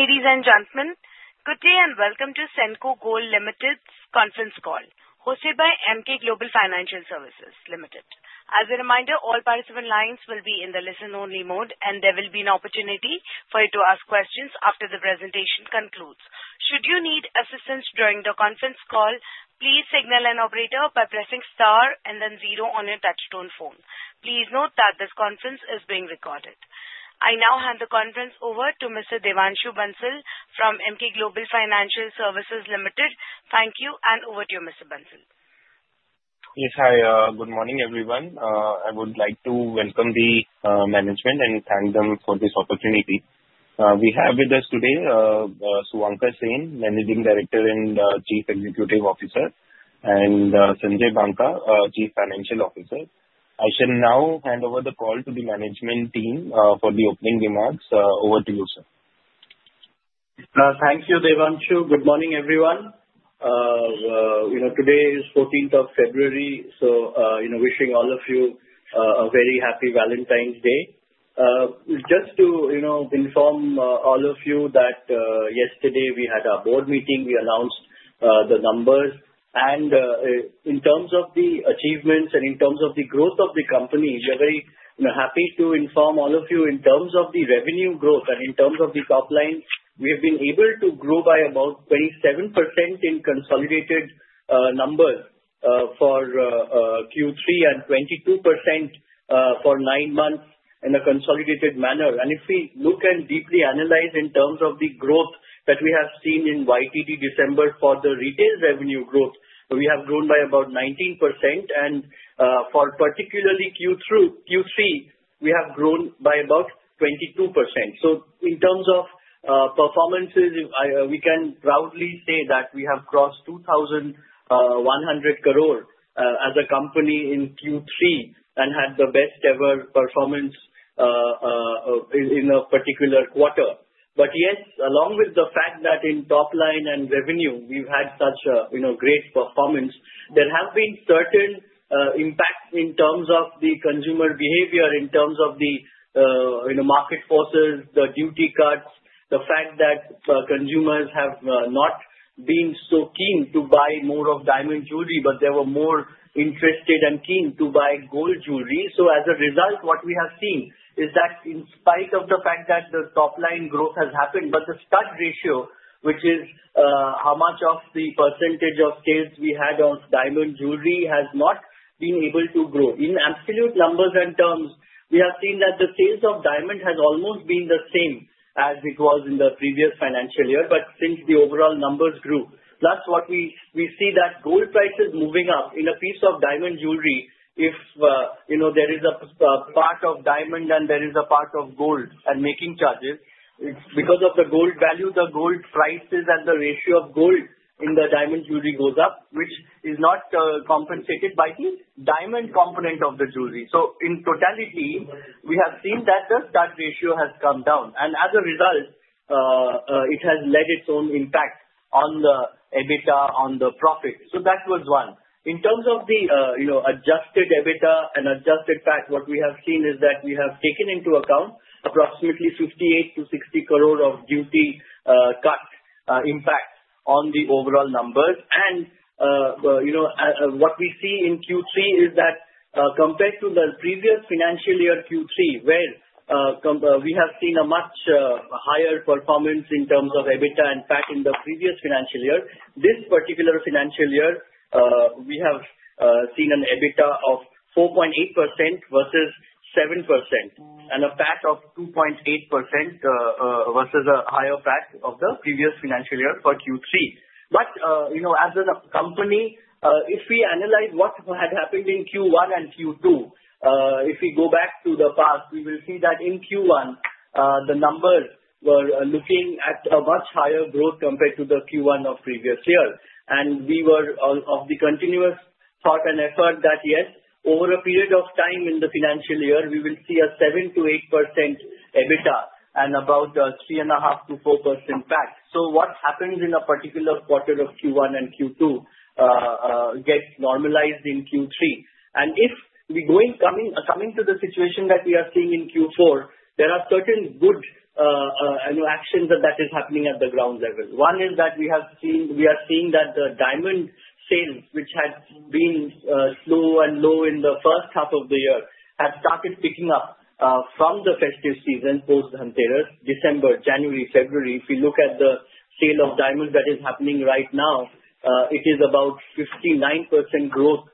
Ladies and gentlemen, good day and welcome to Senco Gold Limited's conference call, hosted by Emkay Global Financial Services Limited. As a reminder, all participant lines will be in the listen-only mode, and there will be an opportunity for you to ask questions after the presentation concludes. Should you need assistance during the conference call, please signal an operator by pressing star and then zero on your touchtone phone. Please note that this conference is being recorded. I now hand the conference over to Mr. Devanshu Bansal from Emkay Global Financial Services Limited. Thank you, and over to you, Mr. Bansal. Yes, hi. Good morning, everyone. I would like to welcome the management and thank them for this opportunity. We have with us today Suvankar Sen, Managing Director and Chief Executive Officer, and Sanjay Banka, Chief Financial Officer. I shall now hand over the call to the management team for the opening remarks. Over to you, sir. Thank you, Devanshu. Good morning, everyone. Today is 14th of February, so wishing all of you a very happy Valentine's Day. Just to inform all of you that yesterday we had our board meeting. We announced the numbers and in terms of the achievements and in terms of the growth of the company, we are very happy to inform all of you in terms of the revenue growth and in terms of the top line, we have been able to grow by about 27% in consolidated numbers for Q3 and 22% for nine months in a consolidated manner. And if we look and deeply analyze in terms of the growth that we have seen in YTD December for the retail revenue growth, we have grown by about 19% and for particularly Q3, we have grown by about 22%. So in terms of performances, we can proudly say that we have crossed 2,100 crore as a company in Q3 and had the best-ever performance in a particular quarter. But yes, along with the fact that in top line and revenue, we've had such a great performance, there have been certain impacts in terms of the consumer behavior, in terms of the market forces, the duty cuts, the fact that consumers have not been so keen to buy more of diamond jewelry, but they were more interested and keen to buy gold jewelry. So as a result, what we have seen is that in spite of the fact that the top line growth has happened, but the stud ratio, which is how much of the percentage of sales we had of diamond jewelry, has not been able to grow. In absolute numbers and terms, we have seen that the sales of diamond has almost been the same as it was in the previous financial year, but since the overall numbers grew, plus we see that gold prices moving up. In a piece of diamond jewelry, if there is a part of diamond and there is a part of gold and making charges, it's because of the gold value, the gold prices and the ratio of gold in the diamond jewelry goes up, which is not compensated by the diamond component of the jewelry. So in totality, we have seen that the stud ratio has come down. And as a result, it has led its own impact on the EBITDA, on the profit. So that was one. In terms of the adjusted EBITDA and adjusted PAT, what we have seen is that we have taken into account approximately 58 crore-60 crore of duty cut impact on the overall numbers. And what we see in Q3 is that compared to the previous financial year, Q3, where we have seen a much higher performance in terms of EBITDA and PAT in the previous financial year, this particular financial year, we have seen an EBITDA of 4.8% vs 7% and a PAT of 2.8% vs a higher PAT of the previous financial year for Q3. But as a company, if we analyze what had happened in Q1 and Q2, if we go back to the past, we will see that in Q1, the numbers were looking at a much higher growth compared to the Q1 of previous year. We were of the continuous thought and effort that, yes, over a period of time in the financial year, we will see a 7%-8% EBITDA and about 3.5%-4% PAT. What happens in a particular quarter of Q1 and Q2 gets normalized in Q3. If we're coming to the situation that we are seeing in Q4, there are certain good actions that are happening at the ground level. One is that we are seeing that the diamond sales, which had been slow and low in the first half of the year, have started picking up from the festive season post-Dhanteras, December, January, February. If you look at the sale of diamonds that is happening right now, it is about 59% growth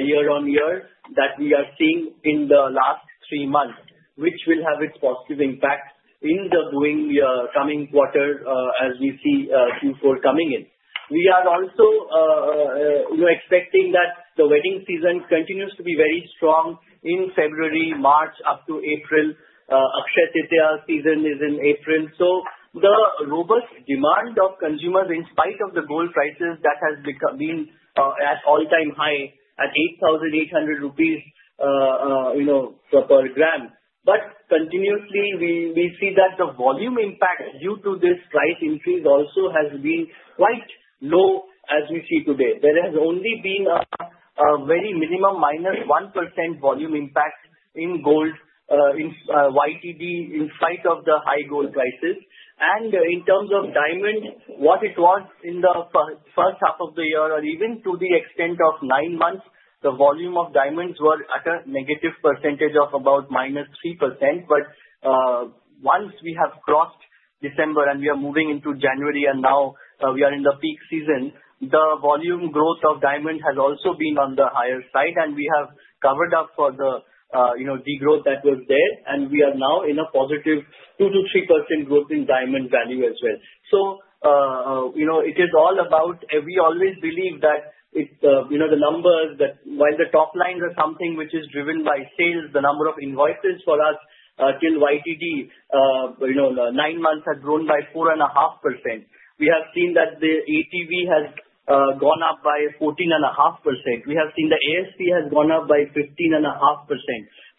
year-on-year that we are seeing in the last three months, which will have its positive impact in the coming quarter as we see Q4 coming in. We are also expecting that the wedding season continues to be very strong in February, March, up to April. Akshaya Tritiya season is in April. So the robust demand of consumers in spite of the gold prices that has been at all-time high at 8,800 rupees per gram. But continuously, we see that the volume impact due to this price increase also has been quite low as we see today. There has only been a very minimum -1% volume impact in gold in YTD in spite of the high gold prices. In terms of diamonds, what it was in the first half of the year or even to the extent of nine months, the volume of diamonds were at a negative percentage of about -3%. But once we have crossed December and we are moving into January and now we are in the peak season, the volume growth of diamonds has also been on the higher side. We have covered up for the degrowth that was there. We are now in a positive 2-3% growth in diamond value as well. It is all about we always believe that the numbers that while the top lines are something which is driven by sales, the number of invoices for us till YTD, nine months had grown by 4.5%. We have seen that the ATV has gone up by 14.5%. We have seen the ASP has gone up by 15.5%.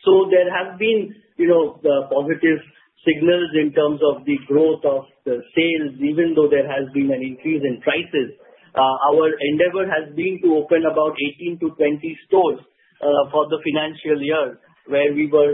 So there have been positive signals in terms of the growth of the sales. Even though there has been an increase in prices, our endeavor has been to open about 18-20 stores for the financial year where we were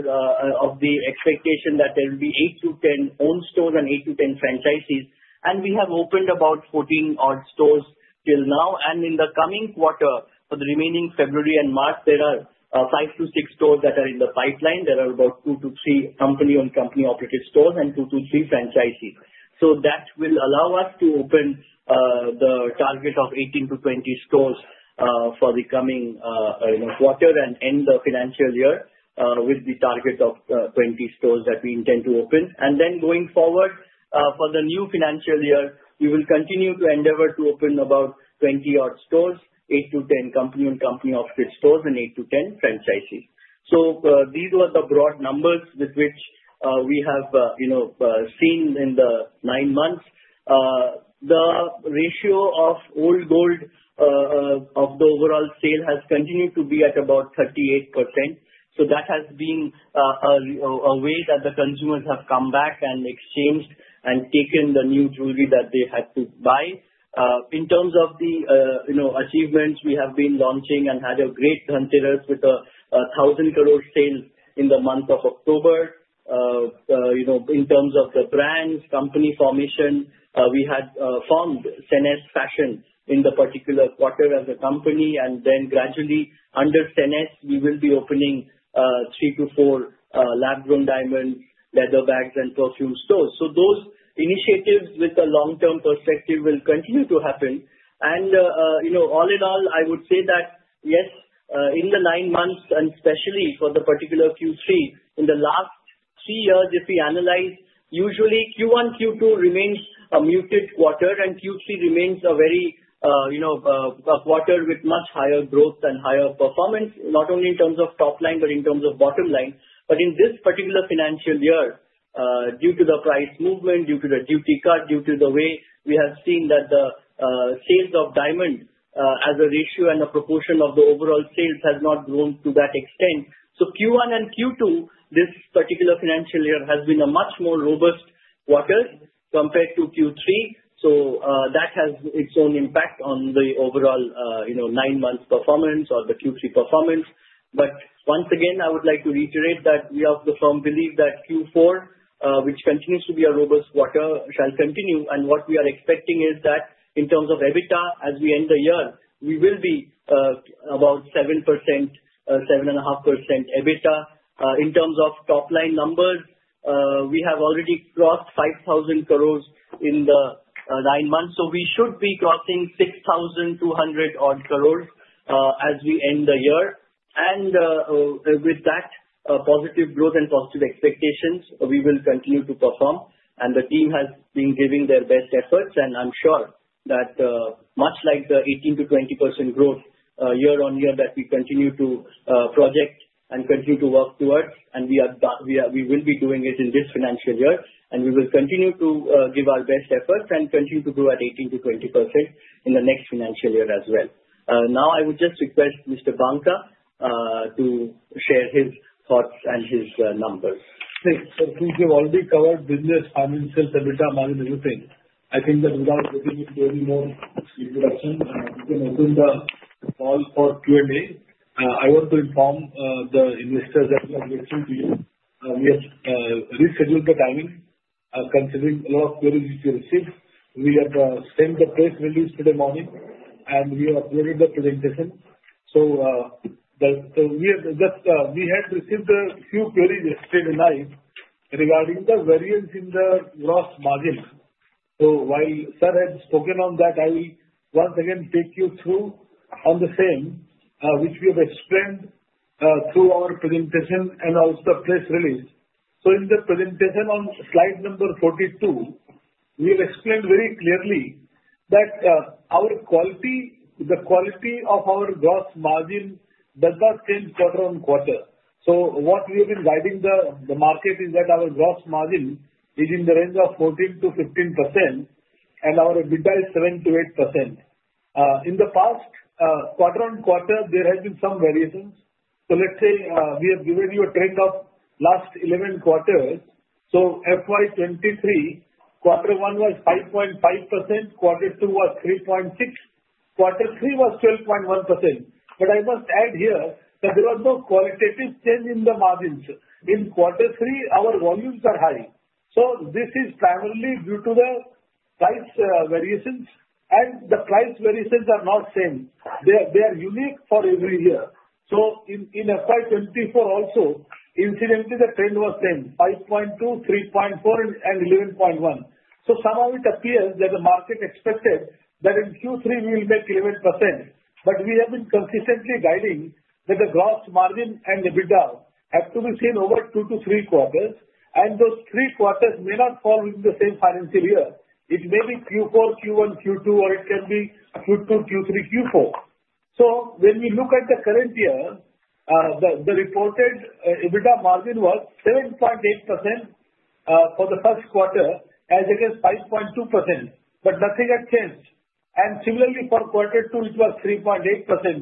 of the expectation that there will be 8-10 owned stores and 8-10 franchisees, and we have opened about 14 odd stores till now. And in the coming quarter, for the remaining February and March, there are five to six stores that are in the pipeline. There are about 2-3 company-owned company operated stores and two to three franchisees, so that will allow us to open the target of 18-20 stores for the coming quarter and end the financial year with the target of 20 stores that we intend to open. Then going forward, for the new financial year, we will continue to endeavor to open about 20-odd stores, 8-10 company-owned company-operated stores, and 8-10 franchisees. So these were the broad numbers with which we have seen in the nine months. The ratio of old gold of the overall sale has continued to be at about 38%. So that has been a way that the consumers have come back and exchanged and taken the new jewelry that they had to buy. In terms of the achievements, we have been launching and had a great Dhanteras with 1,000 crore sales in the month of October. In terms of the brands, company formation, we had formed Sennes Fashion in the particular quarter as a company. Then gradually under Senco, we will be opening 3-4 lab-grown diamonds, leather bags, and perfume stores. Those initiatives with the long-term perspective will continue to happen. And all in all, I would say that, yes, in the nine months, and especially for the particular Q3, in the last three years, if we analyze, usually Q1, Q2 remains a muted quarter, and Q3 remains a very quarter with much higher growth and higher performance, not only in terms of top line but in terms of bottom line. But in this particular financial year, due to the price movement, due to the duty cut, due to the way we have seen that the sales of diamond as a ratio and a proportion of the overall sales has not grown to that extent. So Q1 and Q2, this particular financial year has been a much more robust quarter compared to Q3. So that has its own impact on the overall nine-month performance or the Q3 performance. But once again, I would like to reiterate that we of the firm believe that Q4, which continues to be a robust quarter, shall continue. And what we are expecting is that in terms of EBITDA, as we end the year, we will be about 7%-7.5% EBITDA. In terms of top line numbers, we have already crossed 5,000 crores in the nine months. So we should be crossing 6,200 odd crores as we end the year. And with that positive growth and positive expectations, we will continue to perform. And the team has been giving their best efforts. And I'm sure that much like the 18%-20% growth year-on-year that we continue to project and continue to work towards, and we will be doing it in this financial year. We will continue to give our best efforts and continue to grow at 18%-20% in the next financial year as well. Now, I would just request Mr. Banka to share his thoughts and his numbers. Thanks. Since you've already covered business, finance, sales, EBITDA, management, everything, I think that without getting into any more introduction, we can open the call for Q&A. I want to inform the investors that we have listened to you. We have rescheduled the timing considering a lot of queries which we received. We have sent the press release today morning, and we have uploaded the presentation, so we had received a few queries yesterday night regarding the variance in the gross margin, so while Sir had spoken on that, I will once again take you through on the same which we have explained through our presentation and also the press release, so in the presentation on slide number 42, we have explained very clearly that our quality, the quality of our gross margin does not change quarter-on-quarter. So what we have been guiding the market is that our gross margin is in the range of 14%-15%, and our EBITDA is 7%-8%. In the past quarter-on-quarter, there have been some variations. So let's say we have given you a trend of last 11 quarters. So FY 2023, quarter one was 5.5%, quarter two was 3.6%, quarter three was 12.1%. But I must add here that there was no qualitative change in the margins. In quarter three, our volumes are high. So this is primarily due to the price variations. And the price variations are not same. They are unique for every year. So in FY 2024 also, incidentally, the trend was same. 5.2%, 3.4%, and 11.1%. So somehow it appears that the market expected that in Q3, we will make 11%. But we have been consistently guiding that the gross margin and EBITDA have to be seen over two to three quarters. And those three quarters may not fall within the same financial year. It may be Q4, Q1, Q2, or it can be Q2, Q3, Q4. So when we look at the current year, the reported EBITDA margin was 7.8% for the first quarter as against 5.2%. But nothing has changed. And similarly, for quarter two, it was 3.8%,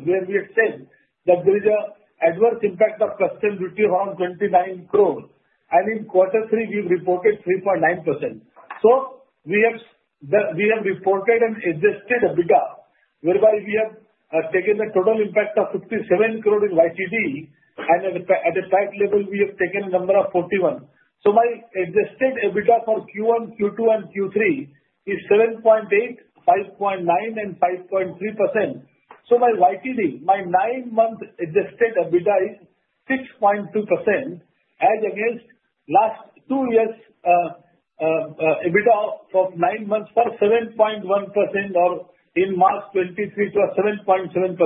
where we had said that there is an adverse impact of customs duty around 29 crore. And in quarter three, we've reported 3.9%. So we have reported and adjusted EBITDA, whereby we have taken the total impact of 57 crore in YTD. And at a high level, we have taken a number of 41. So my adjusted EBITDA for Q1, Q2, and Q3 is 7.8%, 5.9%, and 5.3%. My YTD, my nine-month adjusted EBITDA is 6.2% as against last two years' EBITDA of nine months for 7.1%, or in March 2023, it was 7.7%.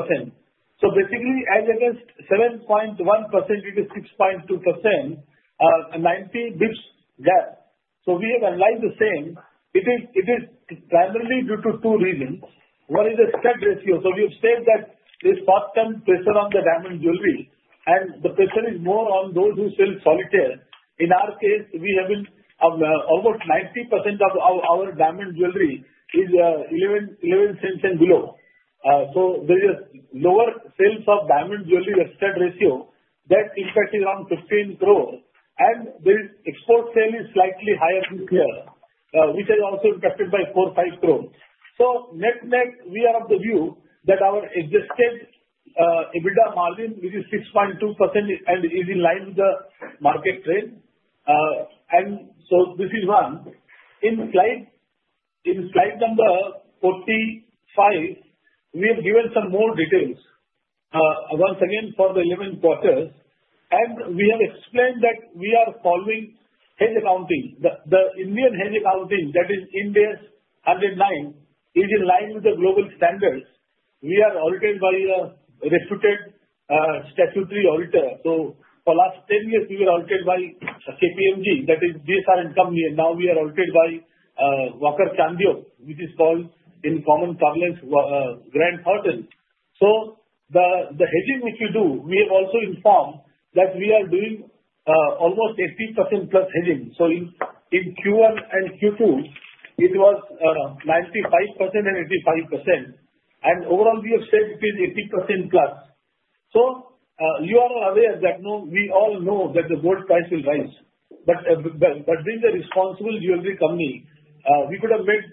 So basically, as against 7.1%, it is 6.2%, 90 basis points gap. So we have analyzed the same. It is primarily due to two reasons. One is the stud ratio. So we have said that there is margin pressure on the diamond jewelry. And the pressure is more on those who sell solitaire. In our case, we have almost 90% of our diamond jewelry is 1.1 carats and below. So there is lower sales of diamond jewelry stud ratio. That impact is around 15 crore. And the export sale is slightly higher this year, which has also impacted by 4 crore-5 crore. So net net, we are of the view that our adjusted EBITDA margin, which is 6.2% and is in line with the market trend, and so this is one. In slide number 45, we have given some more details once again for the 11 quarters, and we have explained that we are following hedge accounting. The Indian hedge accounting, that is Ind AS 109, is in line with the global standards. We are audited by a reputed statutory auditor, so for the last 10 years, we were audited by KPMG, that is Big Four company, and now we are audited by Walker Chandiok, which is called in common parlance, Grant Thornton. So the hedging which we do, we have also informed that we are doing almost 80%+ hedging, so in Q1 and Q2, it was 95% and 85%, and overall, we have said it is 80%+. So you are aware that we all know that the gold price will rise. But being a responsible jewelry company, we could have made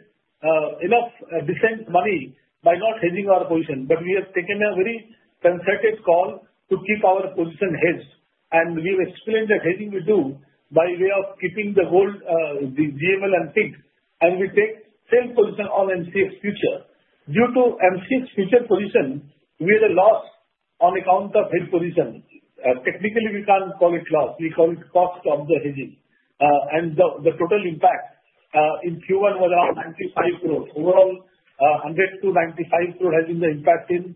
enough decent money by not hedging our position. But we have taken a very concerted call to keep our position hedged. And we have explained that hedging we do by way of keeping the gold, the GML, and MCX. And we take sales position on MCX future. Due to MCX future position, we had a loss on account of hedge position. Technically, we can't call it loss. We call it cost of the hedging. And the total impact in Q1 was around 95 crore. Overall, 100 crore-95 crore has been the impact in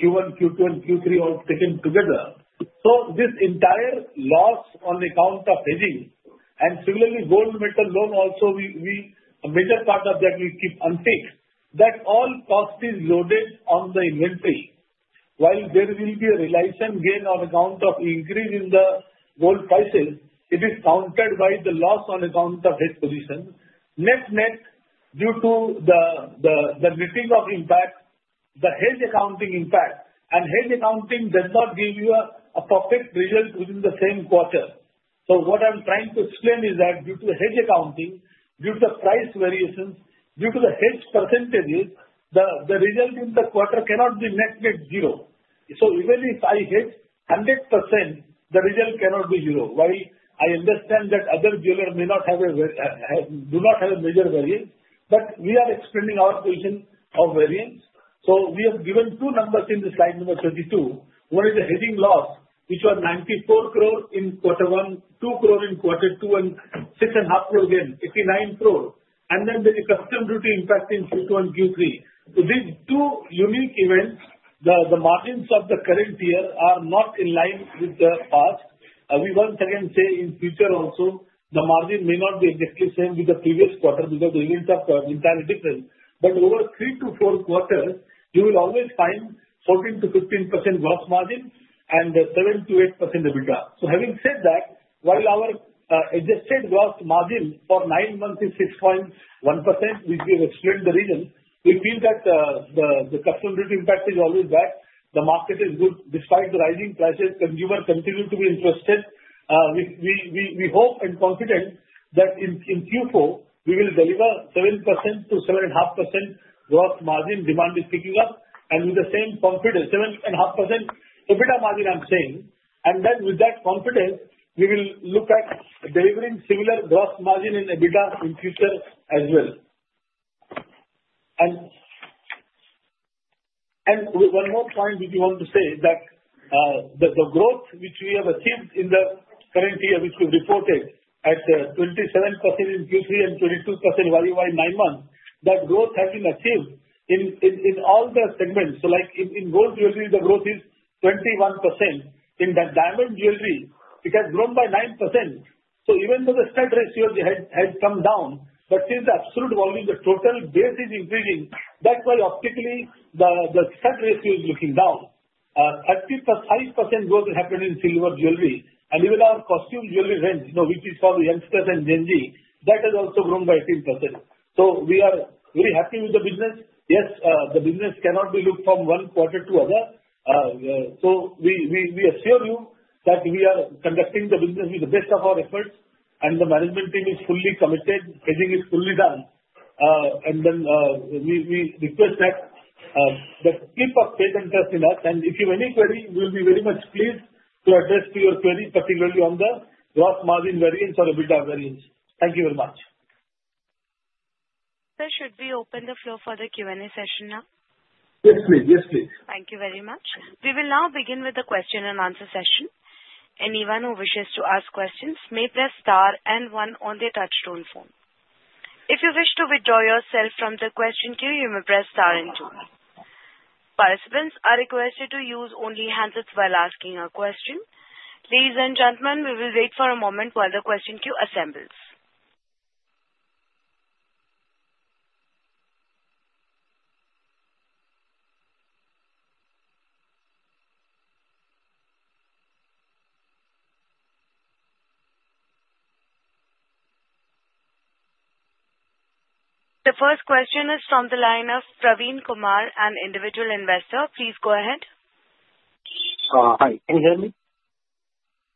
Q1, Q2, and Q3 all taken together. So this entire loss on account of hedging. And similarly, gold metal loan also, a major part of that we keep unpicked. That all cost is loaded on the inventory. While there will be a realization gain on account of increase in the gold prices, it is countered by the loss on account of hedge position. Net net, due to the netting of impact, the hedge accounting impact, and hedge accounting does not give you a perfect result within the same quarter. What I'm trying to explain is that due to hedge accounting, due to price variations, due to the hedge percentages, the result in the quarter cannot be net net zero. Even if I hedge 100%, the result cannot be zero. While I understand that other jewelers may not have a major variance, but we are explaining our position of variance. We have given two numbers in slide number 32. One is the hedging loss, which was 94 crore in quarter one, 2 crore in quarter two, and 6.5 crore again, 89 crore, and then there is customs duty impact in Q2 and Q3, so these two unique events, the margins of the current year are not in line with the past, we once again say in future also, the margin may not be exactly same with the previous quarter because the events are entirely different, but over 3-4 quarters, you will always find 14%-15% gross margin and 7%-8% EBITDA, so having said that, while our adjusted gross margin for nine months is 6.1%, which we have explained the reason, we feel that the customs duty impact is always back, the market is good. Despite the rising prices, consumers continue to be interested. We hope and confident that in Q4, we will deliver 7%-7.5% gross margin. Demand is picking up, and with the same confidence, 7.5% EBITDA margin I'm saying, and then with that confidence, we will look at delivering similar gross margin in EBITDA in future as well, and one more point which we want to say is that the growth which we have achieved in the current year, which we reported at 27% in Q3 and 22% value by nine months, that growth has been achieved in all the segments. So like in gold jewelry, the growth is 21%. In the diamond jewelry, it has grown by 9%. So even though the stud ratio has come down, but since the absolute volume, the total base is increasing, that's why optically the stud ratio is looking down. 35%+ growth has happened in silver jewelry. Even our costume jewelry range, which is for the youngsters and Gen Z, that has also grown by 18%. So we are very happy with the business. Yes, the business cannot be looked from one quarter to other. So we assure you that we are conducting the business with the best of our efforts. And the management team is fully committed. Hedging is fully done. And then we request that keep a faith and trust in us. And if you have any query, we will be very much pleased to address your query, particularly on the gross margin variance or EBITDA variance. Thank you very much. Sir, should we open the floor for the Q&A session now? Yes, please. Yes, please. Thank you very much. We will now begin with the question-and-answer session. Anyone who wishes to ask questions may press star and one on the touch-tone phone. If you wish to withdraw yourself from the question queue, you may press star and two. Participants are requested to use the handset while asking a question. Ladies and gentlemen, we will wait for a moment while the question queue assembles. The first question is from the line of Praveen Kumar, an individual investor. Please go ahead. Hi. Can you hear me?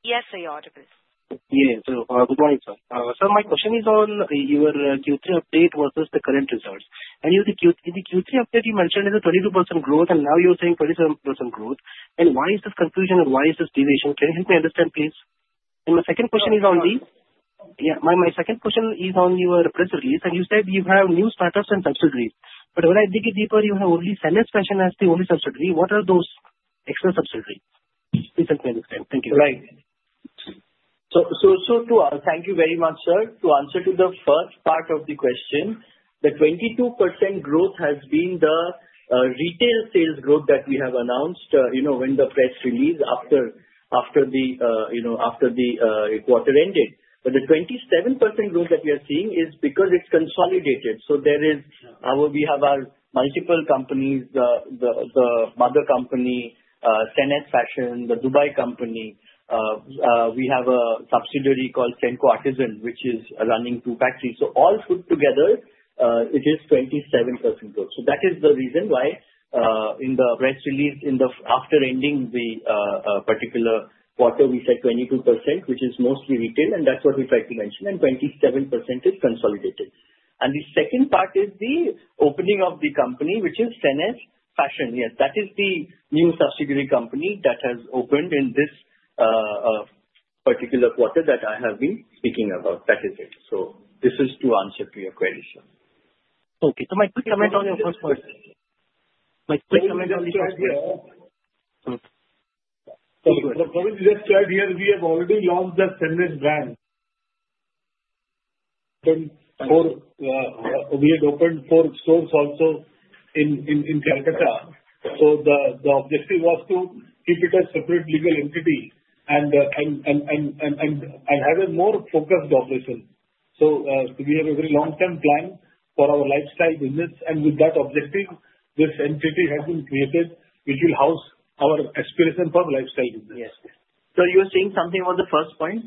Yes, sir. You're audible. Yes. Good morning, sir. Sir, my question is on your Q3 update vs the current results. And in the Q3 update, you mentioned it is a 22% growth, and now you're saying 27% growth. And why is this confusion, and why is this deviation? Can you help me understand, please? And my second question is on the—yeah, my second question is on your press release. And you said you have new startups and subsidiaries. But when I dig deeper, you have only Sennes Fashion as the only subsidiary. What are those extra subsidiaries? Please help me understand. Thank you. Right. So, thank you very much, sir, to answer the first part of the question, the 22% growth has been the retail sales growth that we have announced in the press release after the quarter ended. But the 27% growth that we are seeing is because it's consolidated. So we have our multiple companies, the mother company, Sennes Fashion, the Dubai company. We have a subsidiary called Senco Artisan, which is running two factories. So all put together, it is 27% growth. That is the reason why in the press release, after ending the particular quarter, we said 22%, which is mostly retail. That's what we tried to mention. And 27% is consolidated. The second part is the opening of the company, which is Sennes Fashion. That is the new subsidiary company that has opened in this particular quarter that I have been speaking about. That is it. So this is to answer to your query, sir. Okay. So my quick comment on your first question. But what we just heard, we have already lost the Senco Gold brand. We had opened four stores also in Calcutta. So the objective was to keep it as a separate legal entity and have a more focused operation. So we have a very long-term plan for our lifestyle business. And with that objective, this entity has been created, which will house our aspiration for lifestyle business. So you were saying something about the first point?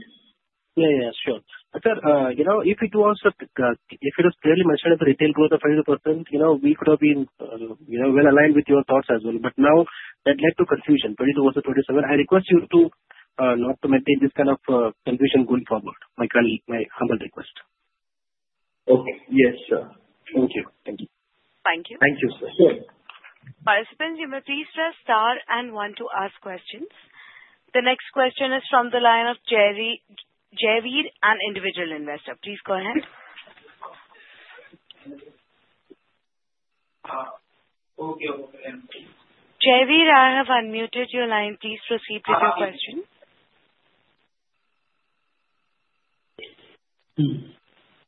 Yeah, yeah. Sure. Sir, if it was clearly mentioned as a retail growth of 22%, we could have been well aligned with your thoughts as well. But now that led to confusion, 22% vs 27%. I request you not to maintain this kind of confusion going forward. My humble request. Okay. Yes, sir. Thank you. Thank you. Thank you. Thank you, sir. Sure. Participants, you may please press star and one to ask questions. The next question is from the line of Javid, an individual investor. Please go ahead. Okay. Javid, I have unmuted your line. Please proceed with your question.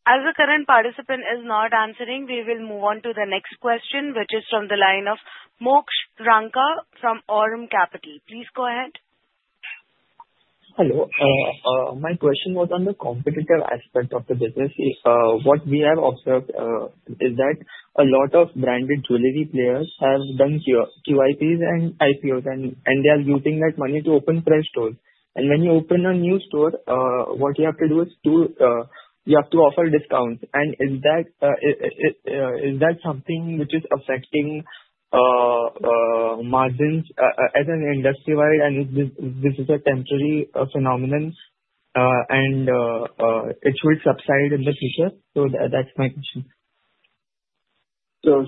As the current participant is not answering, we will move on to the next question, which is from the line of Moksh Ranka from Aurum Capital. Please go ahead. Hello. My question was on the competitive aspect of the business. What we have observed is that a lot of branded jewelry players have done QIPs and IPOs, and they are using that money to open express stores. And when you open a new store, what you have to do is you have to offer discounts. And is that something which is affecting margins as an industry-wide? And is this a temporary phenomenon, and it should subside in the future? So that's my question. So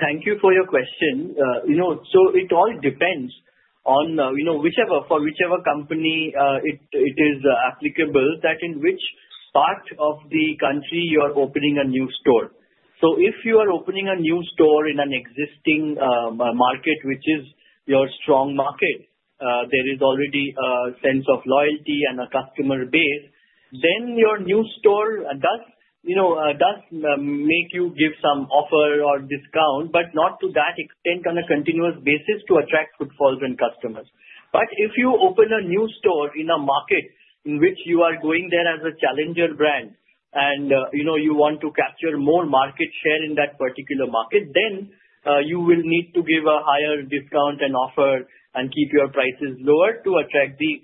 thank you for your question. It all depends on whichever company it is applicable, that in which part of the country you are opening a new store. If you are opening a new store in an existing market, which is your strong market, there is already a sense of loyalty and a customer base, then your new store does make you give some offer or discount, but not to that extent on a continuous basis to attract footfalls and customers. If you open a new store in a market in which you are going there as a challenger brand and you want to capture more market share in that particular market, then you will need to give a higher discount and offer and keep your prices lower to attract the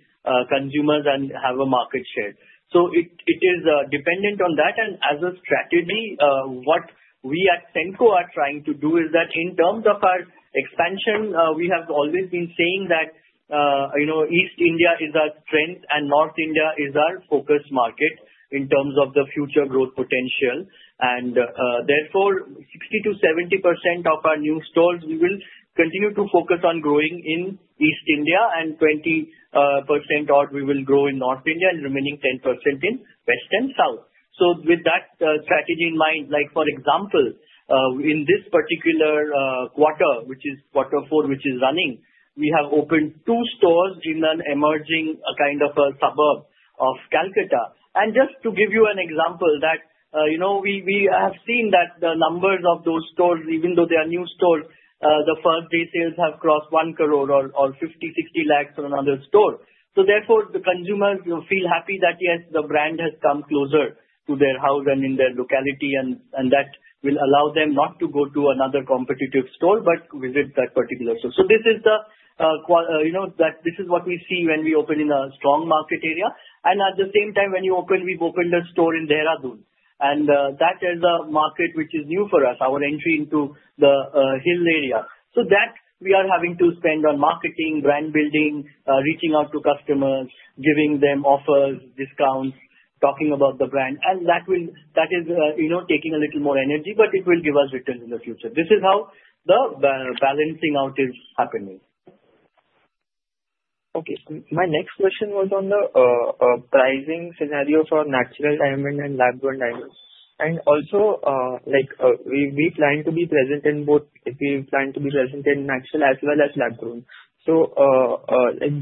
consumers and have a market share. It is dependent on that. As a strategy, what we at Senco are trying to do is that in terms of our expansion, we have always been saying that East India is our strength and North India is our focus market in terms of the future growth potential. Therefore, 60%-70% of our new stores, we will continue to focus on growing in East India, and 20% odd, we will grow in North India, and remaining 10% in West and South. So with that strategy in mind, for example, in this particular quarter, which is quarter four, which is running, we have opened two stores in an emerging kind of a suburb of Kolkata. Just to give you an example, we have seen that the numbers of those stores, even though they are new stores, the first day sales have crossed 1 crore or 50 lakhs, 60 lakhs in another store. So therefore, the consumers feel happy that, yes, the brand has come closer to their house and in their locality, and that will allow them not to go to another competitive store but visit that particular store. So this is what we see when we open in a strong market area. And at the same time, when you open, we've opened a store in Dehradun. And that is a market which is new for us, our entry into the hill area. So that we are having to spend on marketing, brand building, reaching out to customers, giving them offers, discounts, talking about the brand. And that is taking a little more energy, but it will give us returns in the future. This is how the balancing out is happening. Okay. My next question was on the pricing scenario for natural diamond and lab-grown diamonds. And also, we plan to be present in both if we plan to be present in natural as well as lab-grown. So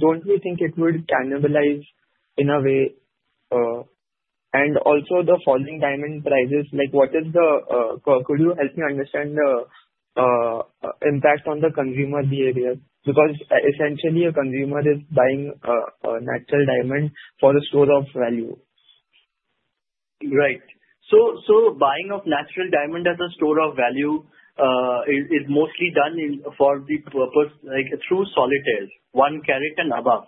don't we think it would cannibalize in a way? And also, the falling diamond prices, could you help me understand the impact on the consumer behavior? Because essentially, a consumer is buying a natural diamond for a store of value. Right. So buying of natural diamond as a store of value is mostly done for the purpose through solitaire, one carat and above.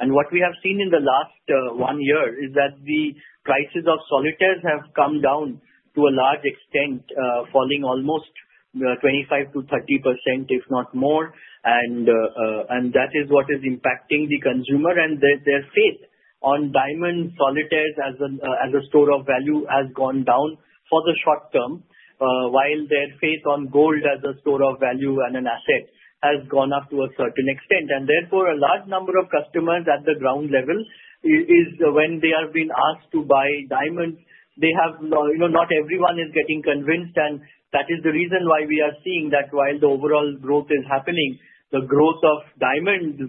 And what we have seen in the last one year is that the prices of solitaires have come down to a large extent, falling almost 25%-30%, if not more. And that is what is impacting the consumer and their faith on diamond solitaires as a store of value has gone down for the short term, while their faith on gold as a store of value and an asset has gone up to a certain extent. And therefore, a large number of customers at the ground level, when they have been asked to buy diamonds, they have not; everyone is getting convinced. That is the reason why we are seeing that while the overall growth is happening, the growth of diamonds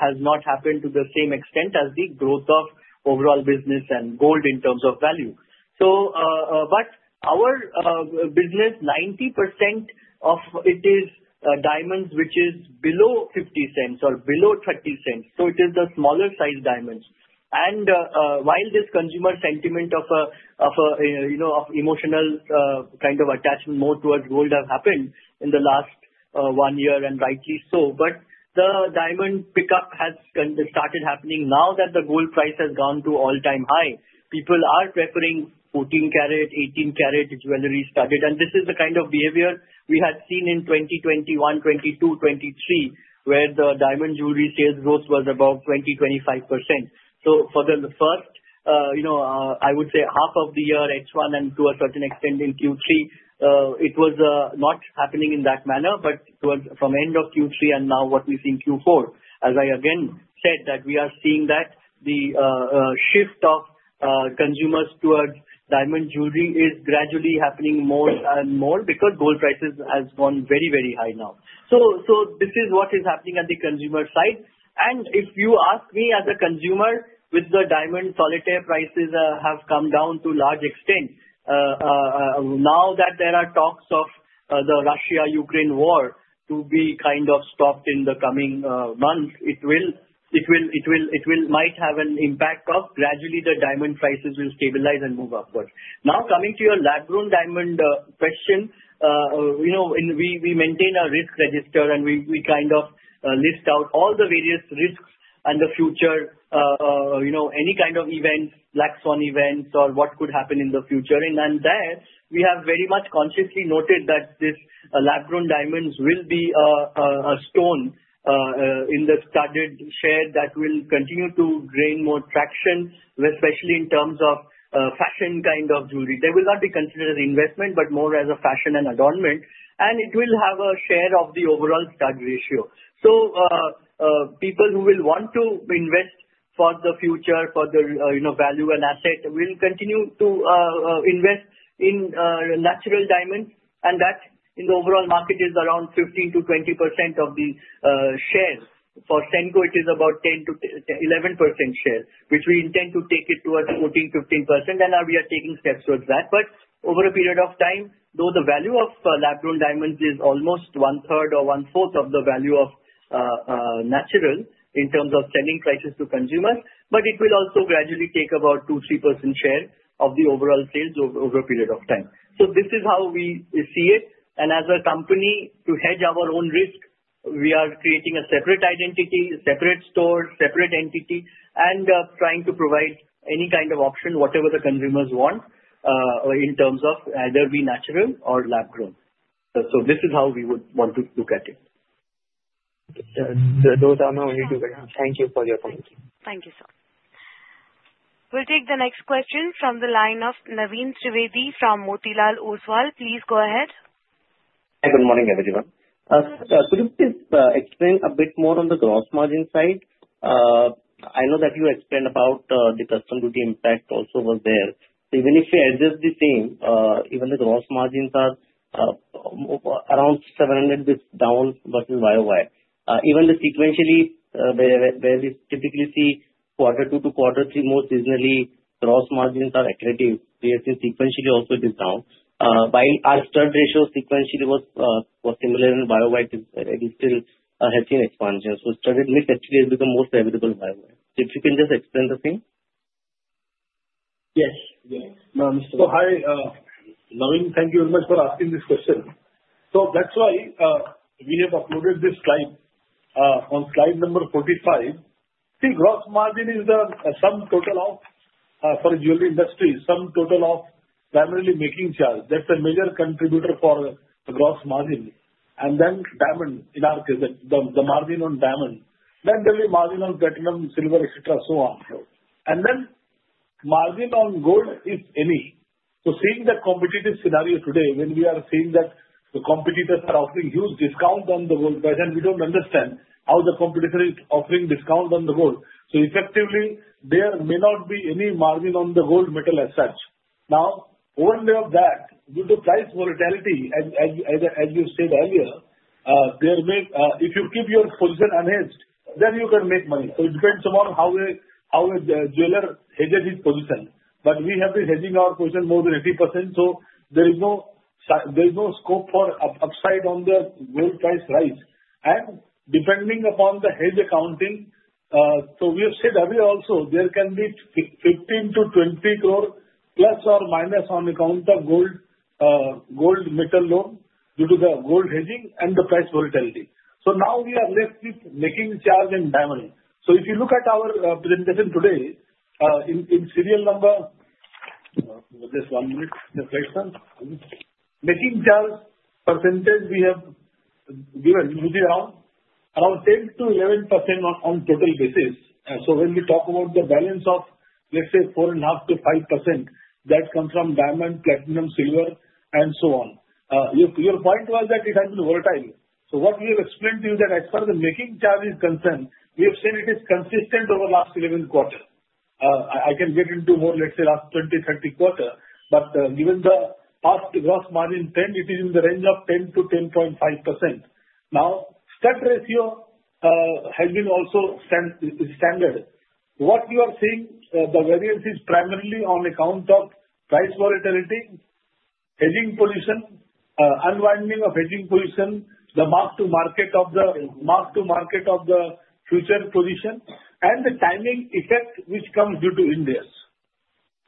has not happened to the same extent as the growth of overall business and gold in terms of value. But our business, 90% of it is diamonds, which is below $0.50 or below $0.30. So it is the smaller size diamonds. And while this consumer sentiment of emotional kind of attachment more towards gold has happened in the last one year, and rightly so. But the diamond pickup has started happening now that the gold price has gone to all-time high. People are preferring 14-carat, 18-carat jewelry started. And this is the kind of behavior we had seen in 2021, 2022, 2023, where the diamond jewelry sales growth was about 20%-25%. For the first, I would say half of the year, H1, and to a certain extent in Q3, it was not happening in that manner, but from end of Q3 and now what we see in Q4. As I again said, that we are seeing that the shift of consumers towards diamond jewelry is gradually happening more and more because gold prices have gone very, very high now. So this is what is happening on the consumer side. And if you ask me as a consumer, with the diamond solitaire prices have come down to a large extent, now that there are talks of the Russia-Ukraine war to be kind of stopped in the coming months, it will might have an impact of gradually the diamond prices will stabilize and move upward. Now, coming to your lab-grown diamond question, we maintain a risk register, and we kind of list out all the various risks and the future, any kind of events, black swan events, or what could happen in the future. And on that, we have very much consciously noted that these lab-grown diamonds will be a stone in the studded share that will continue to gain more traction, especially in terms of fashion kind of jewelry. They will not be considered as investment, but more as a fashion and adornment. And it will have a share of the overall stud ratio. So people who will want to invest for the future, for the value and asset, will continue to invest in natural diamonds. And that in the overall market is around 15%-20% of the share. For Senco, it is about 10%-11% share, which we intend to take it towards 14%-15%. And we are taking steps towards that. But over a period of time, though the value of lab-grown diamonds is almost one-third or one-fourth of the value of natural in terms of sending prices to consumers, but it will also gradually take about 2%-3% share of the overall sales over a period of time. So this is how we see it. And as a company to hedge our own risk, we are creating a separate identity, separate store, separate entity, and trying to provide any kind of option, whatever the consumers want, in terms of either be natural or lab-grown. So this is how we would want to look at it. Those are my only two questions. Thank you for your comments. Thank you, sir. We'll take the next question from the line of Naveen Trivedi from Motilal Oswal. Please go ahead. Hi, good morning, everyone. Could you please explain a bit more on the gross margin side? I know that you explained about the customs duty impact also was there. Even if you address the same, even the gross margins are around 700 down vs YoY. Even the sequentially, where we typically see quarter two to quarter three, most seasonally, gross margins are accurate. We have seen sequentially also it is down. While our stud ratio sequentially was similar in YoY, it still has seen expansion. So stud ratio actually has become most favorable YoY. So if you can just explain the same. Hi, Naveen, thank you very much for asking this question. That's why we have uploaded this slide on slide number 45. See, gross margin is the sum total of for the jewelry industry, sum total of primarily making charge. That's a major contributor for the gross margin. And then diamond, in our case, the margin on diamond, then there will be margin on platinum, silver, etc., so on. And then margin on gold, if any. So seeing the competitive scenario today, when we are seeing that the competitors are offering huge discount on the gold price, and we don't understand how the competitor is offering discount on the gold. So effectively, there may not be any margin on the gold metal as such. Now, overlay of that, due to price volatility, as you said earlier, if you keep your position unhedged, then you can make money. It depends upon how a jeweler hedges his position. But we have been hedging our position more than 80%, so there is no scope for upside on the gold price rise. And depending upon the hedge accounting, we have said earlier also, there can be 15 crore-20 crore plus or minus on account of gold metal loan due to the gold hedging and the price volatility. Now we are left with making charge and diamond. If you look at our presentation today in slide number, just one minute, the slide one. Making charge percentage we have given would be around 10%-11% on total basis. When we talk about the balance of, let's say, 4.5%-5%, that comes from diamond, platinum, silver, and so on. Your point was that it has been volatile. What we have explained to you that as far as the making charge is concerned, we have seen it is consistent over the last 11 quarters. I can get into more, let's say, last 20, 30 quarters, but given the past gross margin trend, it is in the range of 10%-10.5%. Now, stud ratio has been also standard. What you are seeing, the variance is primarily on account of price volatility, hedging position, unwinding of hedging position, the mark to market of the future position, and the timing effect which comes due to index.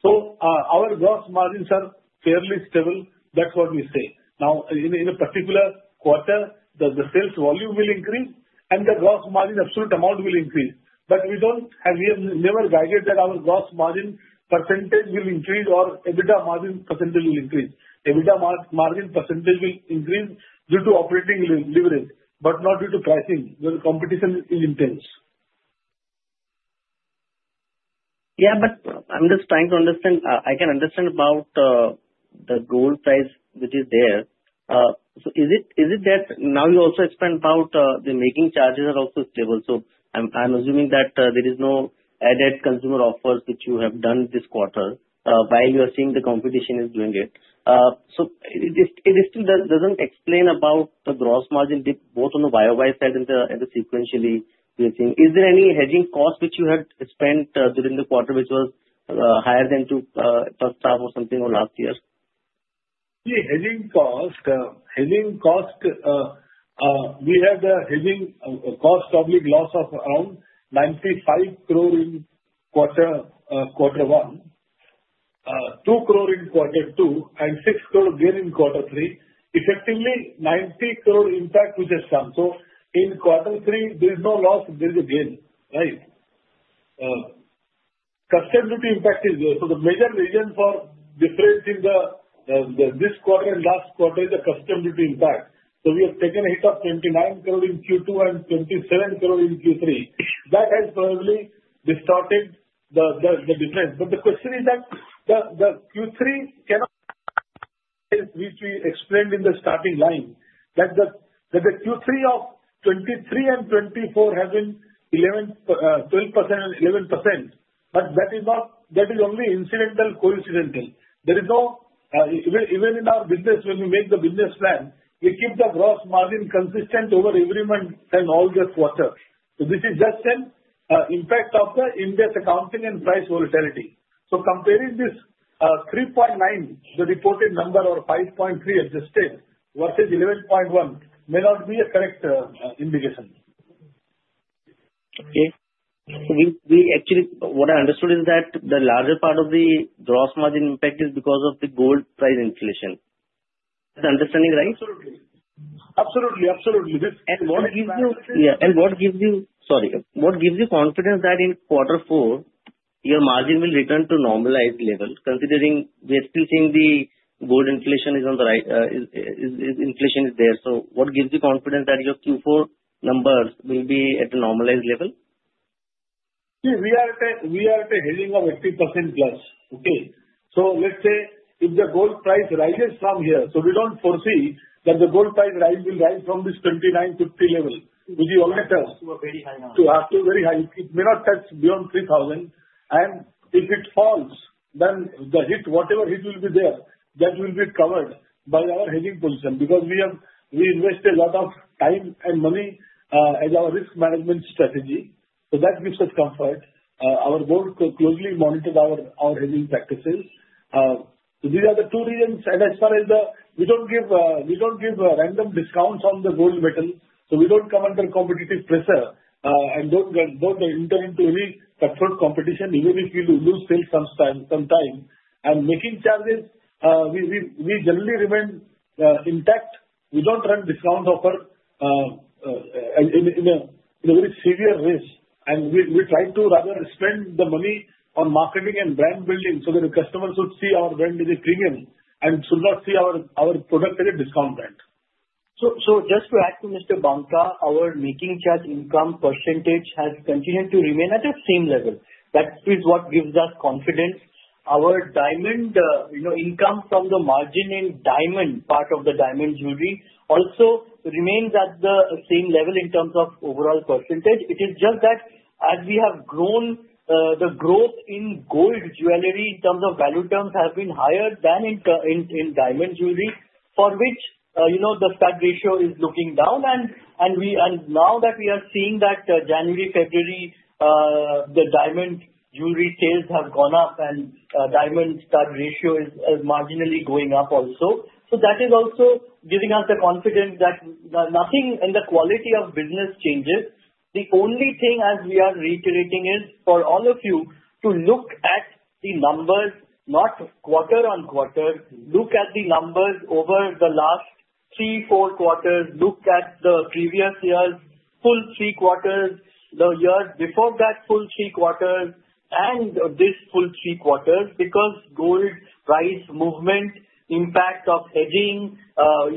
Our gross margins are fairly stable. That's what we say. Now, in a particular quarter, the sales volume will increase, and the gross margin absolute amount will increase. But we don't. We have never guided that our gross margin % will increase or EBITDA margin % will increase. EBITDA margin % will increase due to operating leverage, but not due to pricing where the competition is intense. Yeah, but I'm just trying to understand. I can understand about the gold price which is there. So is it that now you also explained about the making charges are also stable? So I'm assuming that there is no added consumer offers which you have done this quarter while you are seeing the competition is doing it. So it still doesn't explain about the gross margin dip both on the YoY side and the sequentially you're seeing. Is there any hedging cost which you had spent during the quarter which was higher than 2% or something last year? See, hedging cost, hedging cost. We had a hedging cost book loss of around 95 crore in quarter one, 2 crore in quarter two, and 6 crore gain in quarter three. Effectively, 90 crore impact which has come. So in quarter three, there is no loss, there is a gain, right? Customs duty impact is there. So the major reason for difference in this quarter and last quarter is the customs duty impact. So we have taken a hit of 29 crore in Q2 and 27 crore in Q3. That has probably distorted the difference. But the question is that the Q3 con call which we explained in the starting line, that the Q3 of 2023 and 2024 has been 12% and 11%. But that is only incidental, coincidental. There is no event in our business. When we make the business plan, we keep the gross margin consistent over every month and all the quarters. So this is just an impact of the Ind AS accounting and price volatility. So comparing this 3.9%, the reported number or 5.3% adjusted vs 11.1% may not be a correct indication. Okay. So we actually what I understood is that the larger part of the gross margin impact is because of the gold price inflation. Is that understanding right? Absolutely. What gives you confidence that in quarter four, your margin will return to normalized level? Considering we are still seeing the gold inflation is on the rise, inflation is there. So what gives you confidence that your Q4 numbers will be at a normalized level? See, we are at a hedging of 80%+. Okay. So let's say if the gold price rises from here, so we don't foresee that the gold price will rise from this 2,950 level, which is already too very high now. It may not touch beyond 3,000. And if it falls, then the hit, whatever hit will be there, that will be covered by our hedging position because we invest a lot of time and money as our risk management strategy. So that gives us comfort. Our gold closely monitors our hedging practices. So these are the two reasons. And as far as the we don't give random discounts on the gold metal. So we don't come under competitive pressure and don't enter into any tough competition, even if we lose sales sometime. And making charges, we generally remain intact. We don't run discount offer in a very severe race. And we try to rather spend the money on marketing and brand building so that the customers would see our brand as a premium and should not see our product as a discount brand. So just to add to Mr. Banka, our making charge income percentage has continued to remain at the same level. That is what gives us confidence. Our diamond income from the margin in diamond part of the diamond jewelry also remains at the same level in terms of overall percentage. It is just that as we have grown, the growth in gold jewelry in terms of value terms has been higher than in diamond jewelry, for which the stud ratio is looking down. And now that we are seeing that January, February, the diamond jewelry sales have gone up and diamond stud ratio is marginally going up also. So that is also giving us the confidence that nothing in the quality of business changes. The only thing as we are reiterating is for all of you to look at the numbers, not quarter-on-quarter. Look at the numbers over the last three, four quarters. Look at the previous years, full three quarters, the year before that full three quarters, and this full three quarters because gold price movement impact of hedging.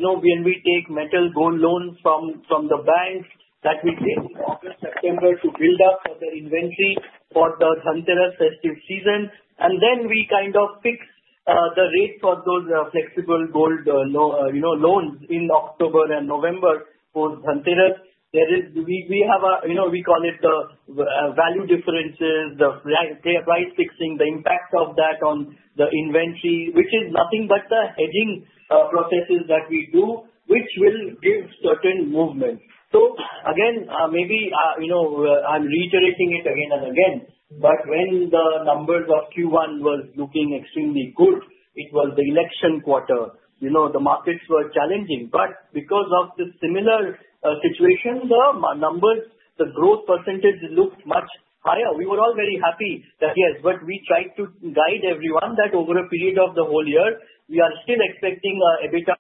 When we take gold metal loans from the banks that we take in August, September to build up the inventory for the Dhanteras festive season. Then we kind of fix the rate for those flexible gold loans in October and November for Dhanteras. We have what we call the value differences, the price fixing, the impact of that on the inventory, which is nothing but the hedging processes that we do, which will give certain movement. So again, maybe I'm reiterating it again and again, but when the numbers of Q1 was looking extremely good, it was the election quarter. The markets were challenging. But because of the similar situation, the numbers, the growth percentage looked much higher. We were all very happy that yes. But we tried to guide everyone that over a period of the whole year, we are still expecting EBITDA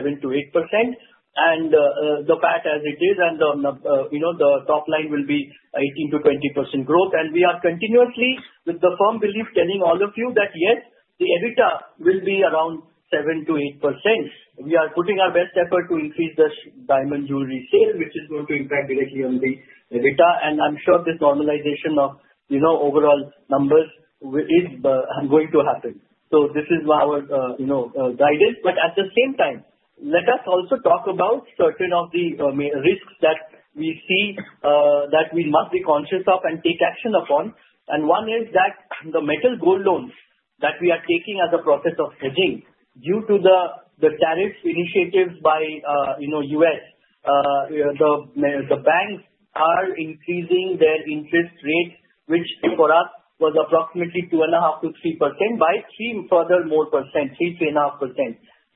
7%-8%. And the PAT as it is, and the top line will be 18%-20% growth. And we are continuously, with the firm belief, telling all of you that yes, the EBITDA will be around 7%-8%. We are putting our best effort to increase the diamond jewelry sale, which is going to impact directly on the EBITDA. And I'm sure this normalization of overall numbers is going to happen. So this is our guidance. But at the same time, let us also talk about certain of the risks that we see that we must be conscious of and take action upon. And one is that the gold metal loans that we are taking as a process of hedging due to the tariff initiatives by the U.S., the banks are increasing their interest rate, which for us was approximately 2.5%-3% by 3 further more percent, 3%, 3.5%.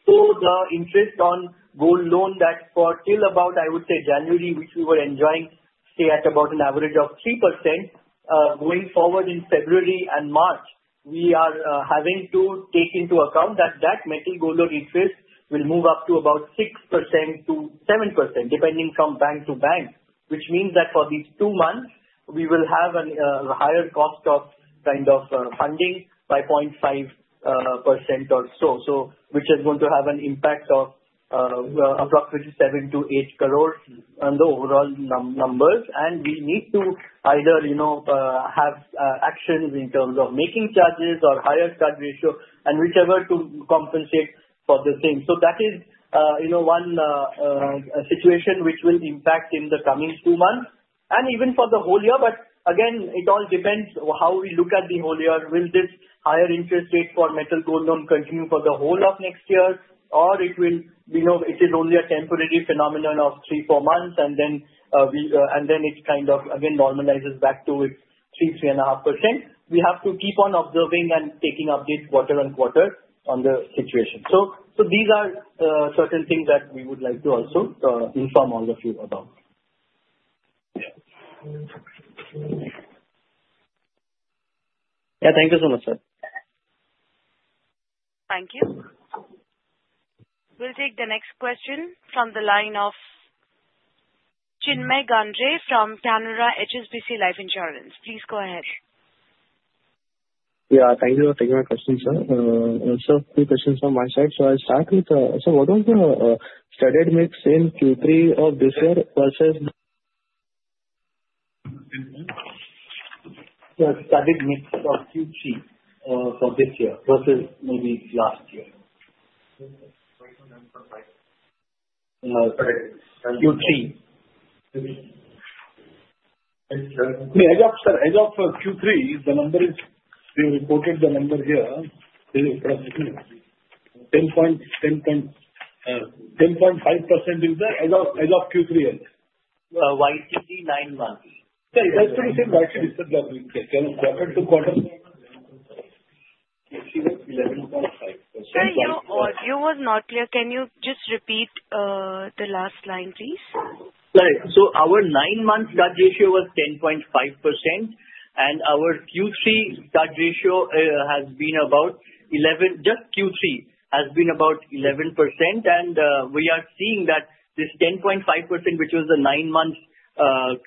So the interest on gold loan that for till about, I would say January, which we were enjoying, stay at about an average of 3%. Going forward in February and March, we are having to take into account that that metal gold loan interest will move up to about 6%-7%, depending from bank to bank, which means that for these two months, we will have a higher cost of kind of funding, 5.5% or so, which is going to have an impact of approximately 7 crore-8 crore on the overall numbers. We need to either have actions in terms of making charges or higher stud ratio and whichever to compensate for the same. So that is one situation which will impact in the coming two months and even for the whole year. But again, it all depends how we look at the whole year. Will this higher interest rate for metal gold loan continue for the whole of next year, or it will be it is only a temporary phenomenon of three, four months, and then it kind of again normalizes back to 3%-3.5%. We have to keep on observing and taking updates quarter-on-quarter on the situation. So these are certain things that we would like to also inform all of you about. Yeah. Yeah. Thank you so much, sir. Thank you. We'll take the next question from the line of Chinmay Gandre from Canara HSBC Life Insurance. Please go ahead. Yeah. Thank you for taking my question, sir. Also, a few questions from my side. So I'll start with, sir, what was the studded mix in Q3 of this year vs the studded mix of Q3 for this year vs maybe last year? Q3. As of Q3, the number is we reported the number here. 10.5% is there as of Q3 end. YTD nine months. That's what you said. YTD nine months. Okay. Quarter to quarter. YTD was 11.5%. I know you were not clear. Can you just repeat the last line, please? Right. So our 9 months stud ratio was 10.5%, and our Q3 stud ratio has been about 11%. Just Q3 has been about 11%. And we are seeing that this 10.5%, which was the 9 months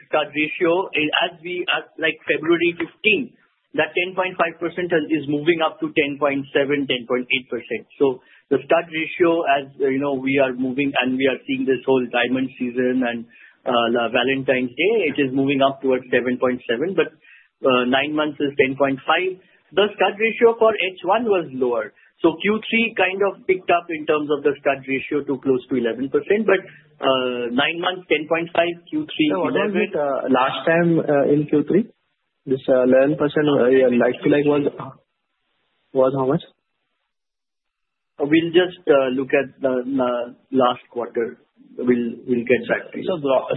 stud ratio, as we like February 15th, that 10.5% is moving up to 10.7, 10.8%. So the stud ratio, as we are moving and we are seeing this whole diamond season and Valentine's Day, it is moving up towards 7.7%, but 9 months is 10.5%. The stud ratio for H1 was lower. So Q3 kind of picked up in terms of the stud ratio to close to 11%, but 9 months, 10.5%, Q3, what was it? Last time in Q3, this 11%, I feel like was how much? We'll just look at the last quarter. We'll get that.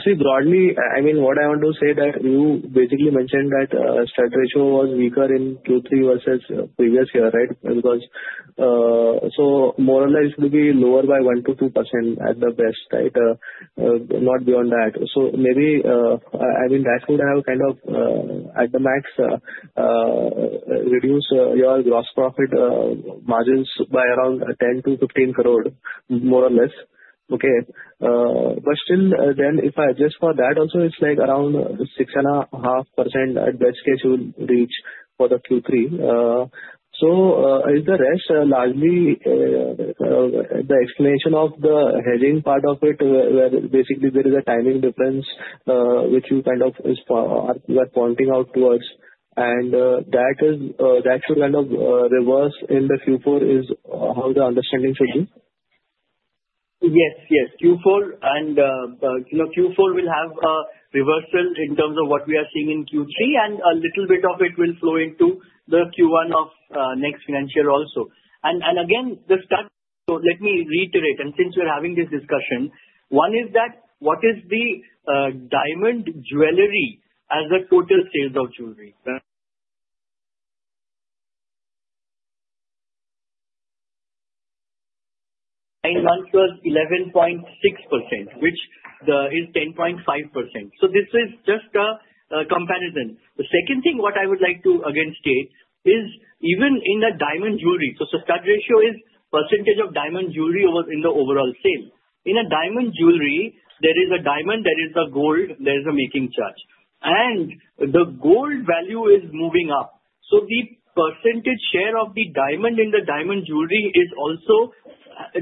See, broadly, I mean, what I want to say that you basically mentioned that stud ratio was weaker in Q3 vs previous year, right? Because so more or less, it would be lower by 1%-2% at the best, right? Not beyond that. So maybe, I mean, that would have kind of at the max reduced your gross profit margins by around 10 crore-15 crore, more or less. Okay. But still, then if I adjust for that also, it's like around 6.5% at best case you will reach for the Q3. So is the rest largely the explanation of the hedging part of it, where basically there is a timing difference which you kind of are pointing out towards, and that should kind of reverse in the Q4 is how the understanding should be? Yes. Yes. Q4 and Q4 will have a reversal in terms of what we are seeing in Q3, and a little bit of it will flow into the Q1 of next financial also. And again, the stud ratio, so let me reiterate. And since we're having this discussion, one is that what is the diamond jewelry as a total sales of jewelry? Nine months was 11.6%, which is 10.5%. So this is just a comparison. The second thing what I would like to again state is even in the diamond jewelry, so the stud ratio is percentage of diamond jewelry in the overall sale. In a diamond jewelry, there is a diamond, there is the gold, there is a making charge. And the gold value is moving up. So the percentage share of the diamond in the diamond jewelry is also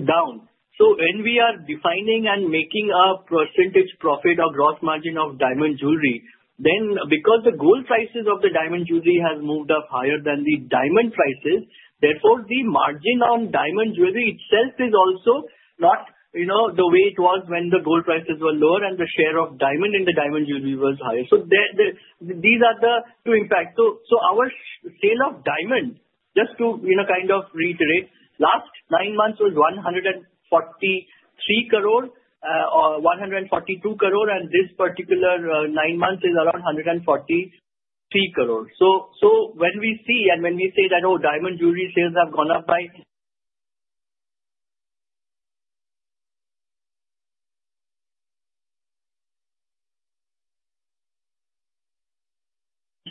down. So when we are defining and making a percentage profit or gross margin of diamond jewelry, then because the gold prices of the diamond jewelry have moved up higher than the diamond prices, therefore the margin on diamond jewelry itself is also not the way it was when the gold prices were lower and the share of diamond in the diamond jewelry was higher. So these are the two impacts. So our sale of diamond, just to kind of reiterate, last nine months was 143 crore or 142 crore, and this particular nine months is around 143 crore. So when we see and when we say that, oh, diamond jewelry sales have gone up by,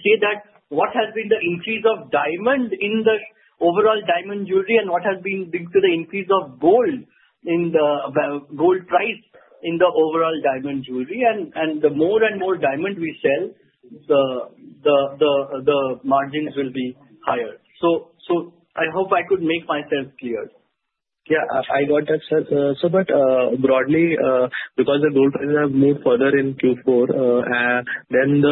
see that what has been the increase of diamond in the overall diamond jewelry and what has been linked to the increase of gold in the gold price in the overall diamond jewelry. The more and more diamond we sell, the margins will be higher. So I hope I could make myself clear. Yeah. I got that, sir. So, but broadly, because the gold prices have moved further in Q4, then,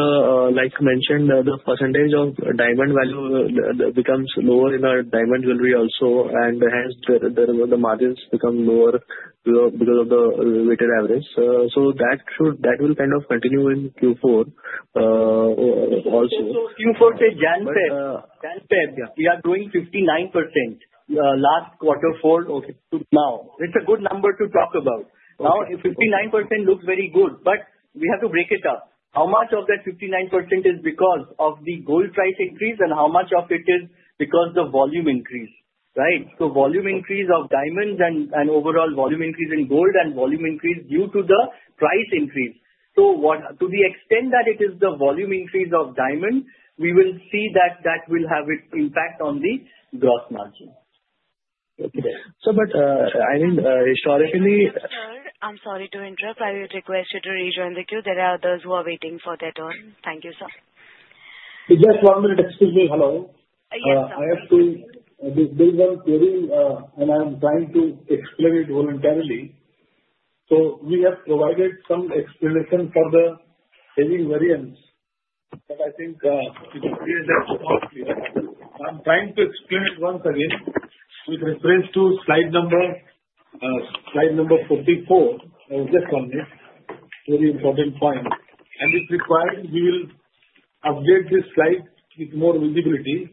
like mentioned, the percentage of diamond value becomes lower in our diamond jewelry also, and hence the margins become lower because of the weighted average. So that will kind of continue in Q4 also. So Q4 sales, Jan-Feb, we are growing 59% last quarter for now. It's a good number to talk about. Now, 59% looks very good, but we have to break it up. How much of that 59% is because of the gold price increase and how much of it is because of the volume increase, right? So volume increase of diamonds and overall volume increase in gold and volume increase due to the price increase. So to the extent that it is the volume increase of diamond, we will see that that will have its impact on the gross margin. Okay. So but I mean, historically. Mr., I'm sorry to interrupt. I will request you to rejoin the queue. There are others who are waiting for their turn. Thank you, sir. Just one minute. Excuse me. Hello. Yes, sir. I have to. This will be very, and I'm trying to explain it voluntarily. So we have provided some explanation for the hedging variance, but I think it is not clear. I'm trying to explain it once again with reference to slide number 44. Just one minute. Very important point. If required, we will update this slide with more visibility.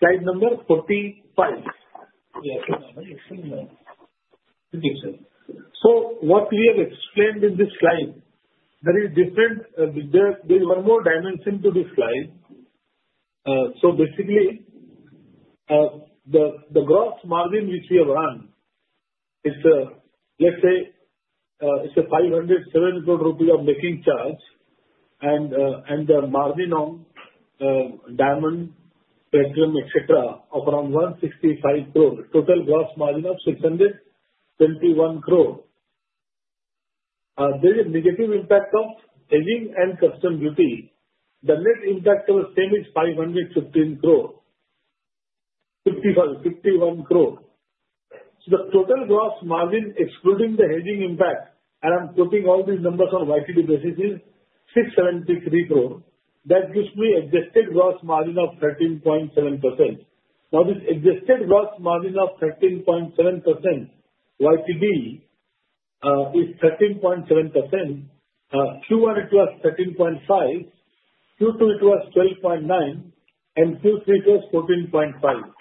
Slide number 45. Yes. So what we have explained in this slide, there is one more dimension to this slide. So basically, the gross margin which we have run is, let's say, it's 507 crore rupee of making charges and the margin on diamond, platinum, etc., of around 165 crore. Total gross margin of 621 crore. There is a negative impact of hedging and customs duty. The net impact of the same is 515 crore. 551 crore. So the total gross margin excluding the hedging impact, and I'm putting all these numbers on YoY basis, is 673 crore. That gives me adjusted gross margin of 13.7%. Now, this adjusted gross margin of 13.7% YoY is 13.7%. Q1, it was 13.5%. Q2, it was 12.9%, and Q3, it was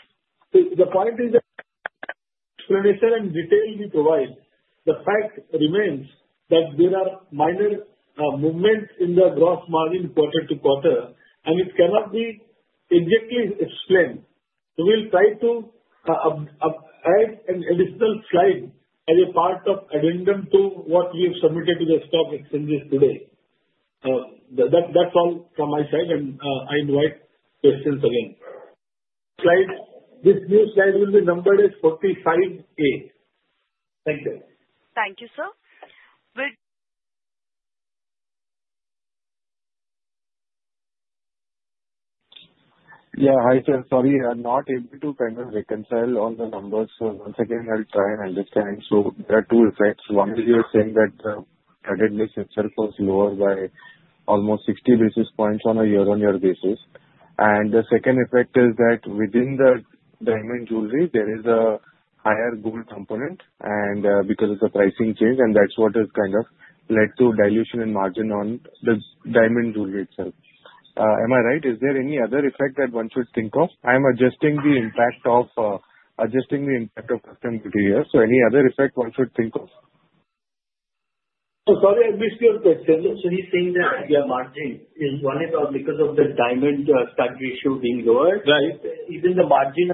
14.5%. The point is that explanation and detail we provide, the fact remains that there are minor movements in the gross margin quarter to quarter, and it cannot be exactly explained. So we'll try to add an additional slide as a part of addendum to what we have submitted to the stock exchanges today. That's all from my side, and I invite questions again. This new slide will be numbered as 45A. Thank you. Thank you, sir. Yeah. Hi, sir. Sorry, I'm not able to kind of reconcile all the numbers. So once again, I'll try and understand. So there are two effects. One is you're saying that the credit risk itself was lower by almost 60 basis points on a year-on-year basis. And the second effect is that within the diamond jewelry, there is a higher gold component because of the pricing change, and that's what has kind of led to dilution in margin on the diamond jewelry itself. Am I right? Is there any other effect that one should think of? I'm adjusting the impact of customs duty here. So any other effect one should think of? So sorry, I missed your question. So he's saying that the margin is one is because of the diamond stud ratio being lower. Even the margin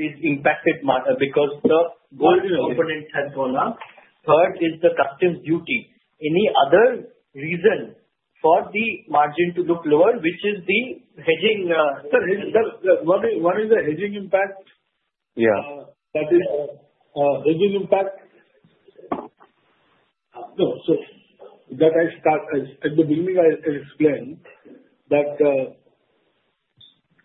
is impacted because the gold component has gone up. Third is the customs duty. Any other reason for the margin to look lower, which is the hedging. One is the hedging impact. That is hedging impact. So that I start at the beginning, I explained that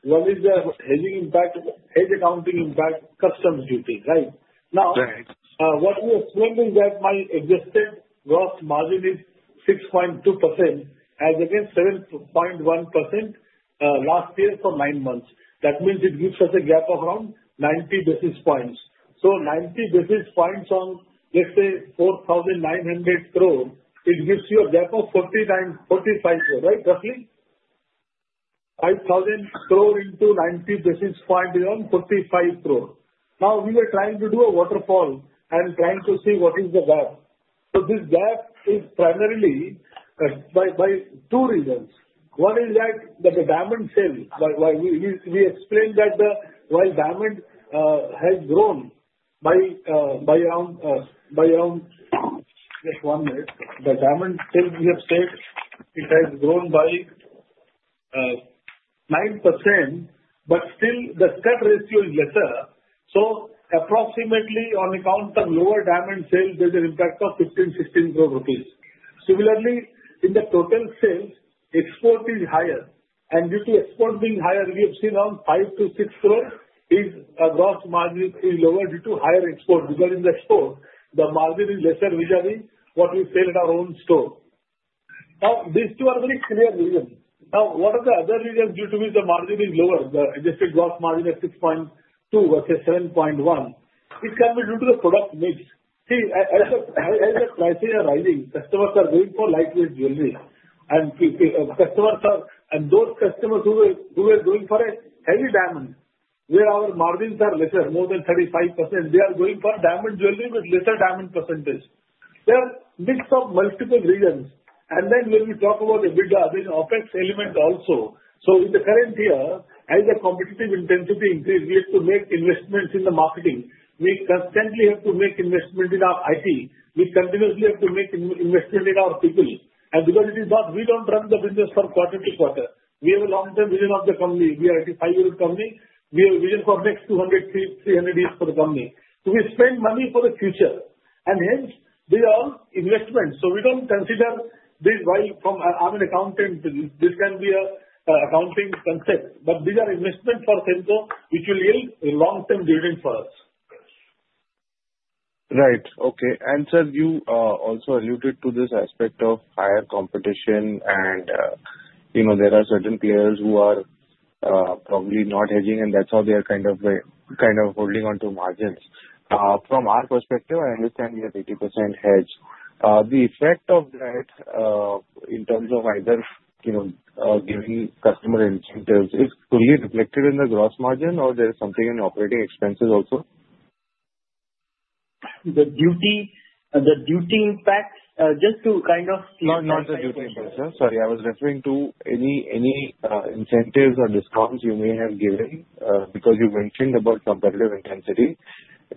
one is the hedging impact, hedge accounting impact, customs duty, right? Now, what we explained is that my adjusted gross margin is 6.2% as against 7.1% last year for 9 months. That means it gives us a gap of around 90 basis points. So 90 basis points on, let's say, 4,900 crore, it gives you a gap of 45 crore, right? Roughly 5,000 crore into 90 basis points is around 45 crore. Now, we were trying to do a waterfall and trying to see what is the gap. So this gap is primarily by two reasons. One is that the diamond sale, we explained that while diamond has grown by around just 1%, the diamond sale we have said it has grown by 9%, but still the stud ratio is lesser. So approximately on account of lower diamond sale, there's an impact of 15 crore-16 crore rupees. Similarly, in the total sale, export is higher. And due to export being higher, we have seen around 5 crore-6 crore gross margin is lower due to higher export. Because in the export, the margin is lesser vis-à-vis what we sell at our own store. Now, these two are very clear reasons. Now, what are the other reasons due to which the margin is lower. The adjusted gross margin at 6.2% vs 7.1%, it can be due to the product mix. See, as the prices are rising, customers are going for lightweight jewelry. Those customers who were going for a heavy diamond, where our margins are lesser, more than 35%, they are going for diamond jewelry with lesser diamond percentage. There are a mix of multiple reasons. Then when we talk about the bigger OpEx element also, in the current year, as the competitive intensity increased, we have to make investments in the marketing. We constantly have to make investment in our IT. We continuously have to make investment in our people. Because it is not, we don't run the business from quarter to quarter. We have a long-term vision of the company. We are a five-year-old company. We have a vision for the next 200, 300 years for the company. We spend money for the future. Hence, these are all investments. We don't consider this while from. I'm an accountant. This can be an accounting concept. But these are investments for them which will yield long-term dividends for us. Right. Okay. And sir, you also alluded to this aspect of higher competition, and there are certain players who are probably not hedging, and that's how they are kind of holding onto margins. From our perspective, I understand we have 80% hedge. The effect of that in terms of either giving customer incentives is fully reflected in the gross margin, or there is something in operating expenses also? The duty impact, just to kind of. No, not the duty impact, sir. Sorry. I was referring to any incentives or discounts you may have given because you mentioned about competitive intensity.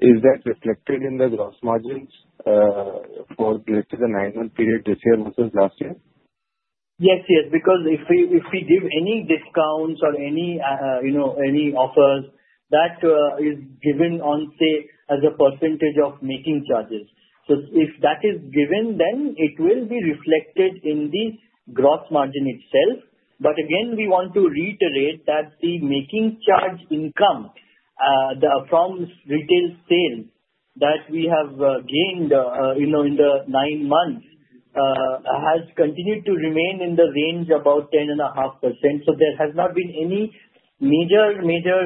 Is that reflected in the gross margins for the 9-month period this year vs last year? Yes. Yes. Because if we give any discounts or any offers, that is given on, say, as a percentage of making charges. So if that is given, then it will be reflected in the gross margin itself. But again, we want to reiterate that the making charge income from retail sales that we have gained in the nine months has continued to remain in the range of about 10.5%. So there has not been any major, major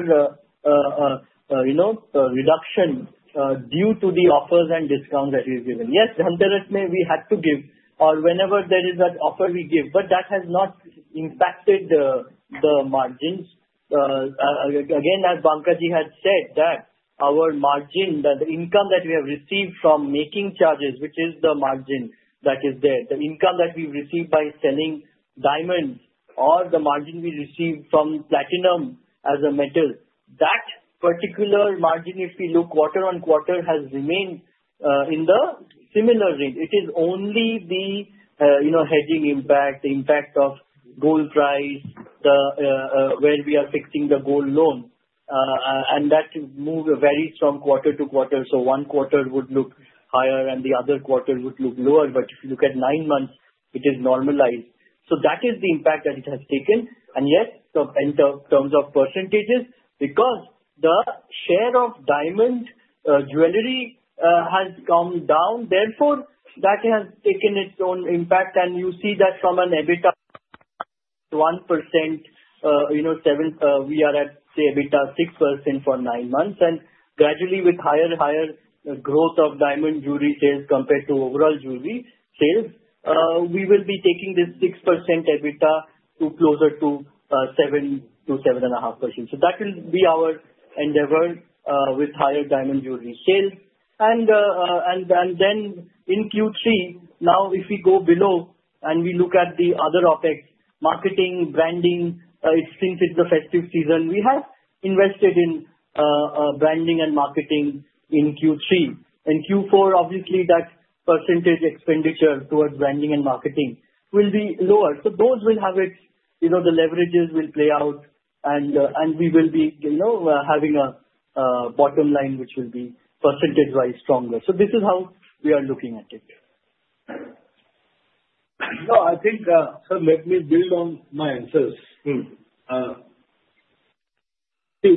reduction due to the offers and discounts that we have given. Yes, the Dhanteras we had to give, or whenever there is an offer we give. But that has not impacted the margins. Again, as Banka had said, that our margin, the income that we have received from making charges, which is the margin that is there, the income that we've received by selling diamonds, or the margin we received from platinum as a metal, that particular margin, if we look quarter-on-quarter, has remained in the similar range. It is only the hedging impact, the impact of gold price, where we are fixing the gold loan. And that move varies from quarter to quarter. So one quarter would look higher, and the other quarter would look lower. But if you look at nine months, it is normalized. So that is the impact that it has taken. And yet, in terms of percentages, because the share of diamond jewelry has come down, therefore, that has taken its own impact. You see that from an EBITDA 1%, we are at the EBITDA 6% for nine months. And gradually, with higher and higher growth of diamond jewelry sales compared to overall jewelry sales, we will be taking this 6% EBITDA to closer to 7%-7.5%. So that will be our endeavor with higher diamond jewelry sales. And then in Q3, now, if we go below and we look at the other OpEx, marketing, branding, since it's the festive season, we have invested in branding and marketing in Q3. In Q4, obviously, that percentage expenditure towards branding and marketing will be lower. So those will have its the leverages will play out, and we will be having a bottom line which will be percentage-wise stronger. So this is how we are looking at it. No, I think, sir, let me build on my answers. See,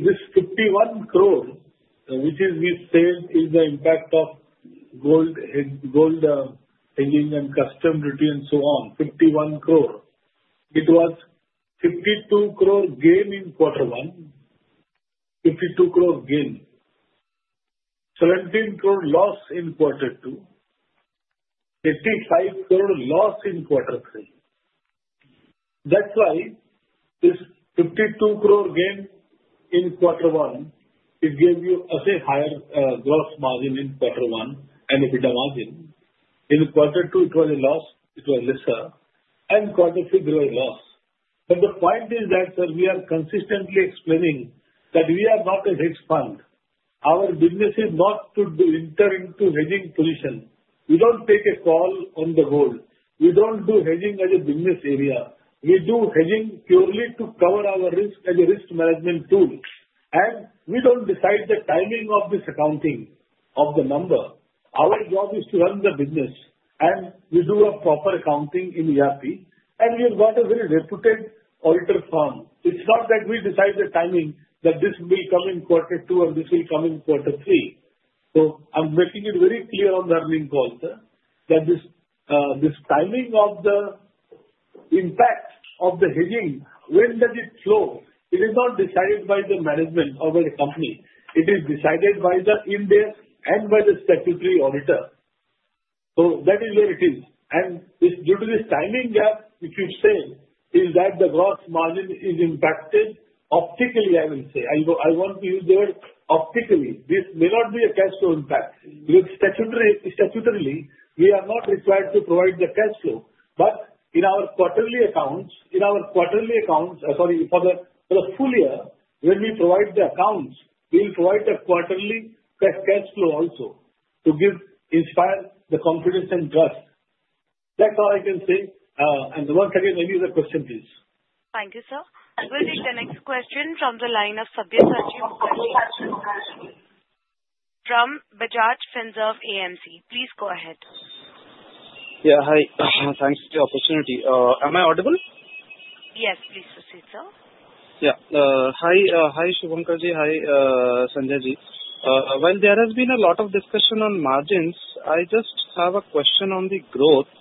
this 51 crore, which we said, is the impact of gold hedging and customs duty and so on, 51 crore. It was 52 crore gain in quarter one, 52 crore gain, 17 crore loss in quarter two, 55 crore loss in quarter three. That's why this 52 crore gain in quarter one, it gave you a higher gross margin in quarter one and EBITDA margin. In quarter two, it was a loss. It was lesser, and quarter three, there was a loss. But the point is that, sir, we are consistently explaining that we are not a hedge fund. Our business is not to enter into hedging position. We don't take a call on the gold. We don't do hedging as a business area. We do hedging purely to cover our risk as a risk management tool. We don't decide the timing of this accounting of the number. Our job is to run the business. We do a proper accounting in ERP. We have got a very reputed auditor firm. It's not that we decide the timing that this will come in quarter two or this will come in quarter three. So I'm making it very clear on the earnings call, sir, that this timing of the impact of the hedging, when does it flow, it is not decided by the management of the company. It is decided by the Ind AS and by the statutory auditor. So that is where it is. Due to this timing gap, which you said, is that the gross margin is impacted optically, I will say. I want to use the word optically. This may not be a cash flow impact. Statutorily, we are not required to provide the cash flow. But in our quarterly accounts, sorry, for the full year, when we provide the accounts, we'll provide a quarterly cash flow also to inspire the confidence and trust. That's all I can say. And once again, any other question, please? Thank you, sir. We'll take the next question from the line of Sabyasachi Mukerji from Bajaj Finserv AMC. Please go ahead. Yeah. Hi. Thanks for the opportunity. Am I audible? Yes, please proceed, sir. Yeah. Hi, Suvankar. Hi, Sanjay. While there has been a lot of discussion on margins, I just have a question on the growth.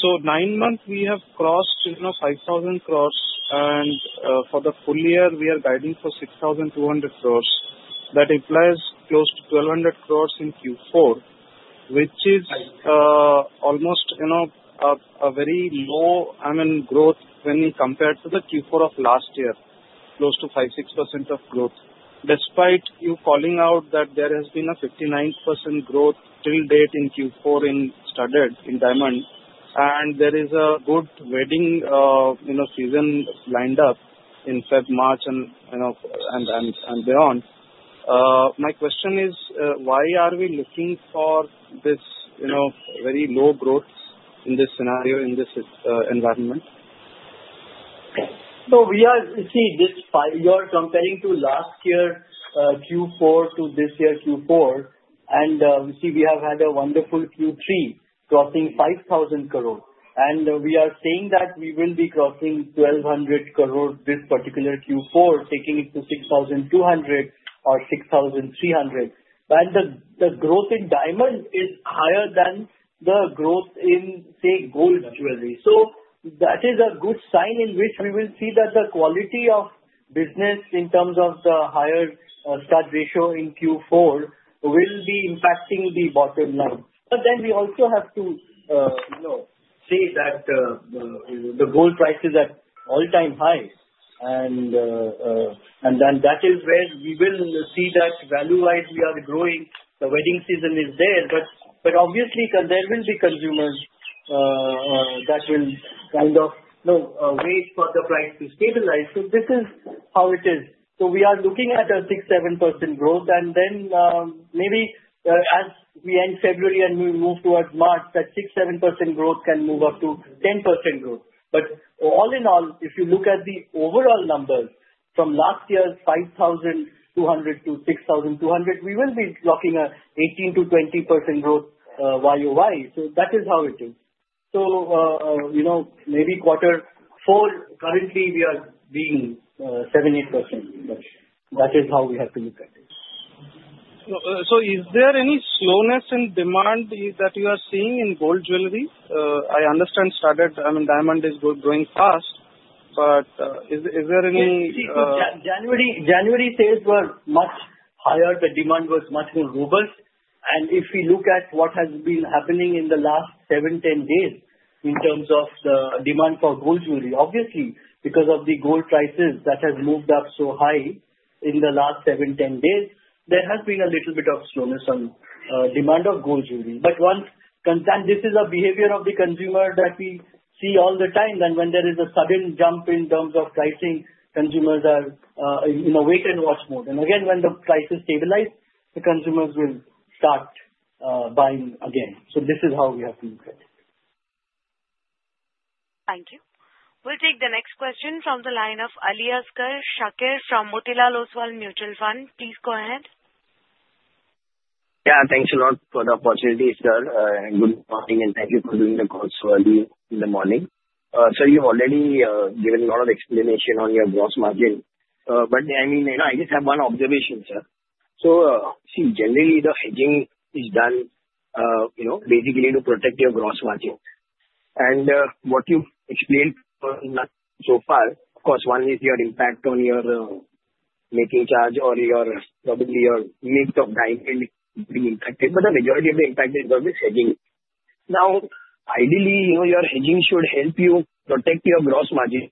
So nine months, we have crossed 5,000 crores. And for the full year, we are guiding for 6,200 crores. That implies close to 1,200 crores in Q4, which is almost a very low, I mean, growth when compared to the Q4 of last year, close to 5%-6% of growth. Despite you calling out that there has been a 59% growth till date in Q4 in studded diamond, and there is a good wedding season lined up in February, March, and beyond, my question is, why are we looking for this very low growth in this scenario, in this environment? So, we are seeing this. You are comparing to last year Q4 to this year Q4. And we see we have had a wonderful Q3 crossing 5,000 crores. And we are saying that we will be crossing 1,200 crores this particular Q4, taking it to 6,200 or 6,300. And the growth in diamond is higher than the growth in, say, gold jewelry. So that is a good sign in which we will see that the quality of business in terms of the higher stud ratio in Q4 will be impacting the bottom line. But then we also have to say that the gold price is at all-time high. And then that is where we will see that value-wise, we are growing. The wedding season is there. But obviously, there will be consumers that will kind of wait for the price to stabilize. So this is how it is. So we are looking at 6-7% growth. And then maybe as we end February and we move towards March, that 6-7% growth can move up to 10% growth. But all in all, if you look at the overall numbers from last year, 5,200-6,200, we will be looking at 18%-20% growth YoY. So that is how it is. So maybe quarter four, currently, we are being 7%-8%. That is how we have to look at it. So is there any slowness in demand that you are seeing in gold jewelry? I understand studded, I mean, diamond is growing fast. But is there any? See, January sales were much higher. The demand was much more robust, and if we look at what has been happening in the last 7-10 days in terms of the demand for gold jewelry, obviously, because of the gold prices that have moved up so high in the last 7-10 days, there has been a little bit of slowness on demand of gold jewelry, but once this is a behavior of the consumer that we see all the time, then when there is a sudden jump in terms of pricing, consumers are in a wait-and-watch mode, and again, when the prices stabilize, the consumers will start buying again, so this is how we have to look at it. Thank you. We'll take the next question from the line of Aliasgar Shakir from Motilal Oswal Mutual Fund. Please go ahead. Yeah. Thanks a lot for the opportunity, sir. Good morning. And thank you for doing the call, sir, early in the morning. Sir, you've already given a lot of explanation on your gross margin. But I mean, I just have one observation, sir. So see, generally, the hedging is done basically to protect your gross margin. And what you've explained so far, of course, one is your impact on your making charge or probably your need of diamond being impacted. But the majority of the impact is always hedging. Now, ideally, your hedging should help you protect your gross margin.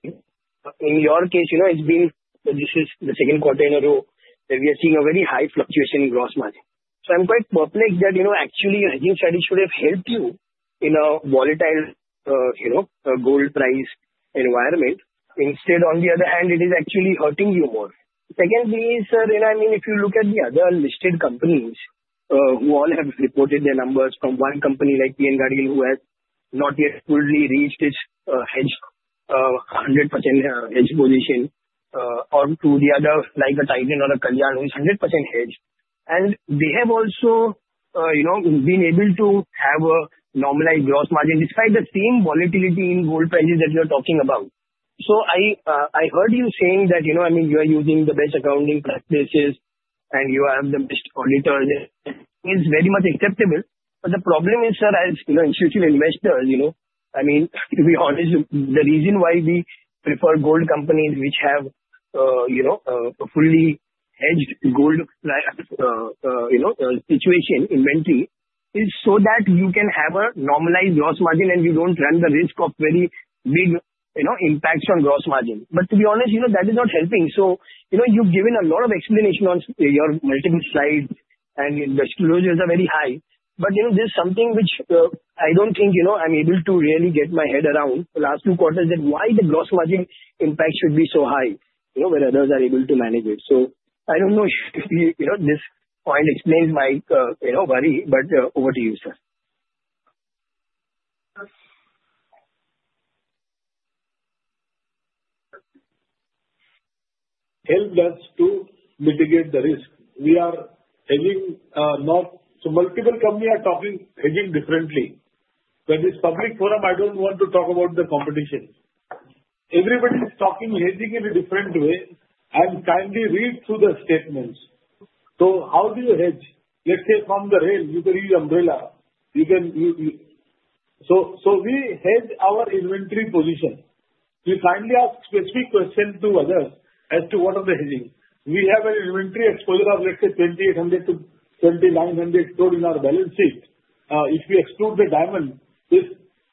In your case, it's been so this is the second quarter in a row that we are seeing a very high fluctuation in gross margin. So I'm quite perplexed that actually your hedging strategy should have helped you in a volatile gold price environment. Instead, on the other hand, it is actually hurting you more. Secondly, sir, I mean, if you look at the other listed companies who all have reported their numbers from one company like P.N. Gadgil, who has not yet fully reached its 100% hedge position, or to the other like a Titan or a Kalyan who is 100% hedged, and they have also been able to have a normalized gross margin despite the same volatility in gold prices that you're talking about, so I heard you saying that, I mean, you are using the best accounting practices, and you have the best auditor. It's very much acceptable. But the problem is, sir, as institutional investors, I mean, to be honest, the reason why we prefer gold companies which have a fully hedged gold situation inventory is so that you can have a normalized gross margin, and you don't run the risk of very big impacts on gross margin. But to be honest, that is not helping. So you've given a lot of explanation on your multiple slides, and the disclosures are very high. But there's something which I don't think I'm able to really get my head around the last two quarters that why the gross margin impact should be so high when others are able to manage it. So I don't know if this point explains my worry. But over to you, sir. Help us to mitigate the risk. We are hedging not so multiple companies are talking hedging differently. But this public forum, I don't want to talk about the competition. Everybody is talking hedging in a different way. And kindly read through the statements. So how do you hedge? Let's say from the rain, you can use umbrella. So we hedge our inventory position. We kindly ask specific questions to others as to what are the hedging. We have an inventory exposure of, let's say, 2,800 crore-2,900 crore in our balance sheet. If we exclude the diamonds,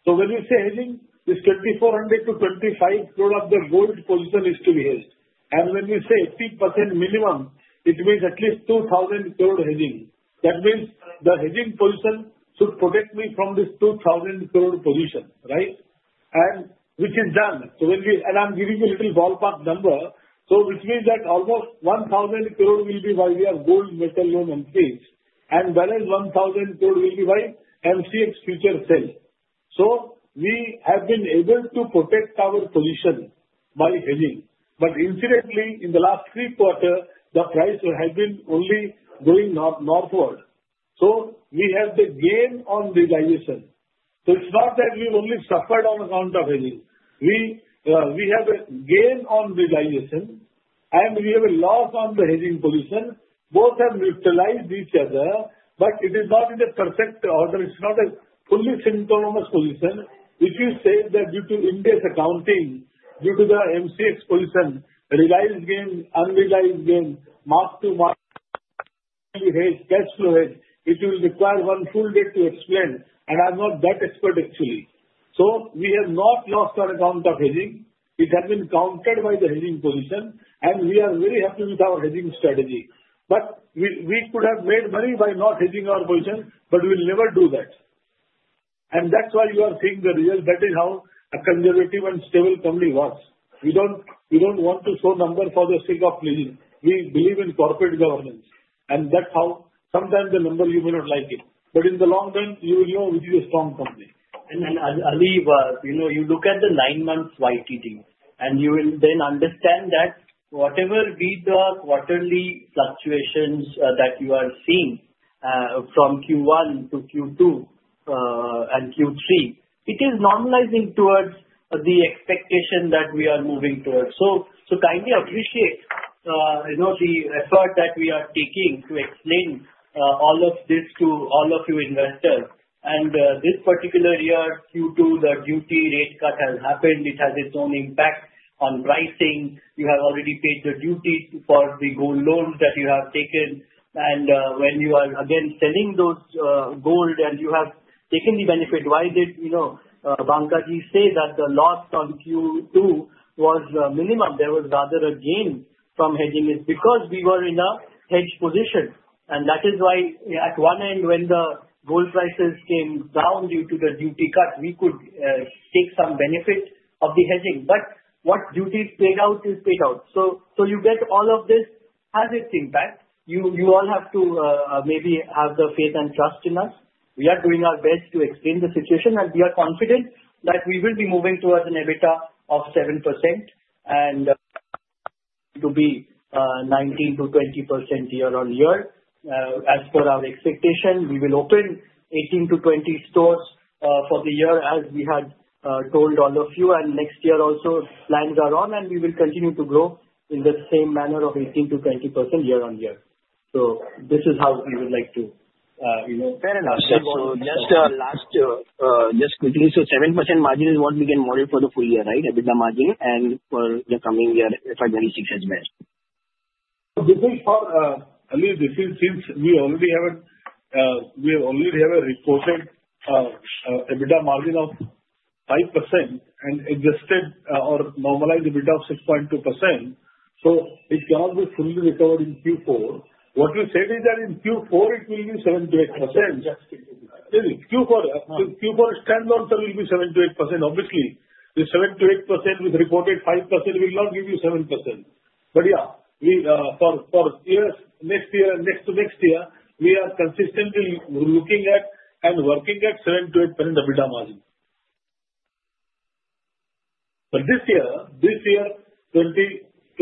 so when we say hedging, it's 2,400 crore-2,500 crore of the gold position is to be hedged. And when we say 80% minimum, it means at least 2,000 crore hedging. That means the hedging position should protect me from this 2,000 crore position, right? And which is done. So when we and I'm giving you a little ballpark number. So which means that almost 1,000 crore will be by their gold metal loan entries. And whereas 1,000 crore will be by MCX futures sale. So we have been able to protect our position by hedging. But incidentally, in the last three quarters, the price has been only going northward. So we have the gain on realization. So it's not that we've only suffered on account of hedging. We have a gain on realization, and we have a loss on the hedging position. Both have neutralized each other, but it is not in the perfect order. It's not a fully synchronous position, which we say that due to Ind AS accounting, due to the MCX position, realized gain, unrealized gain, mark-to-market, cash flow hedge. It will require one full day to explain. And I'm not that expert, actually. So we have not lost on account of hedging. It has been countered by the hedging position, and we are very happy with our hedging strategy. But we could have made money by not hedging our position, but we'll never do that. And that's why you are seeing the result. That is how a conservative and stable company works. We don't want to show numbers for the sake of playing. We believe in corporate governance. And that's how sometimes the number, you may not like it. But in the long run, you will know which is a strong company. Aliasgar, you look at the nine-month YTD, and you will then understand that whatever be the quarterly fluctuations that you are seeing from Q1 to Q2 and Q3, it is normalizing towards the expectation that we are moving towards. Kindly appreciate the effort that we are taking to explain all of this to all of you investors. This particular year, due to the duty rate cut that has happened, it has its own impact on pricing. You have already paid the duty for the gold loans that you have taken. When you are again selling those gold and you have taken the benefit, why did Banka say that the loss on Q2 was minimum? There was rather a gain from hedging it because we were in a hedged position. That is why at one end, when the gold prices came down due to the duty cut, we could take some benefit of the hedging. But what duty paid out is paid out. So you get all of this has its impact. You all have to maybe have the faith and trust in us. We are doing our best to explain the situation. We are confident that we will be moving towards an EBITDA of 7% and to be 19%-20% year-on-year. As per our expectation, we will open 18-20 stores for the year, as we had told all of you. Next year also, lines are on, and we will continue to grow in the same manner of 18%-20% year-on-year. This is how we would like to assess. Fair enough. 7% margin is what we can model for the full year, right? EBITDA margin and for the coming year FY 2026 as well. Aliasgar, since we already have a reported EBITDA margin of 5% and adjusted or normalized EBITDA of 6.2%, so it cannot be fully recovered in Q4. What you said is that in Q4, it will be 7%-8%. Q4 standalone, sir, will be 7%-8%. Obviously, the 7%-8% with reported 5% will not give you 7%. But yeah, for next year and next to next year, we are consistently looking at and working at 7%-8% EBITDA margin. But this year, 2024,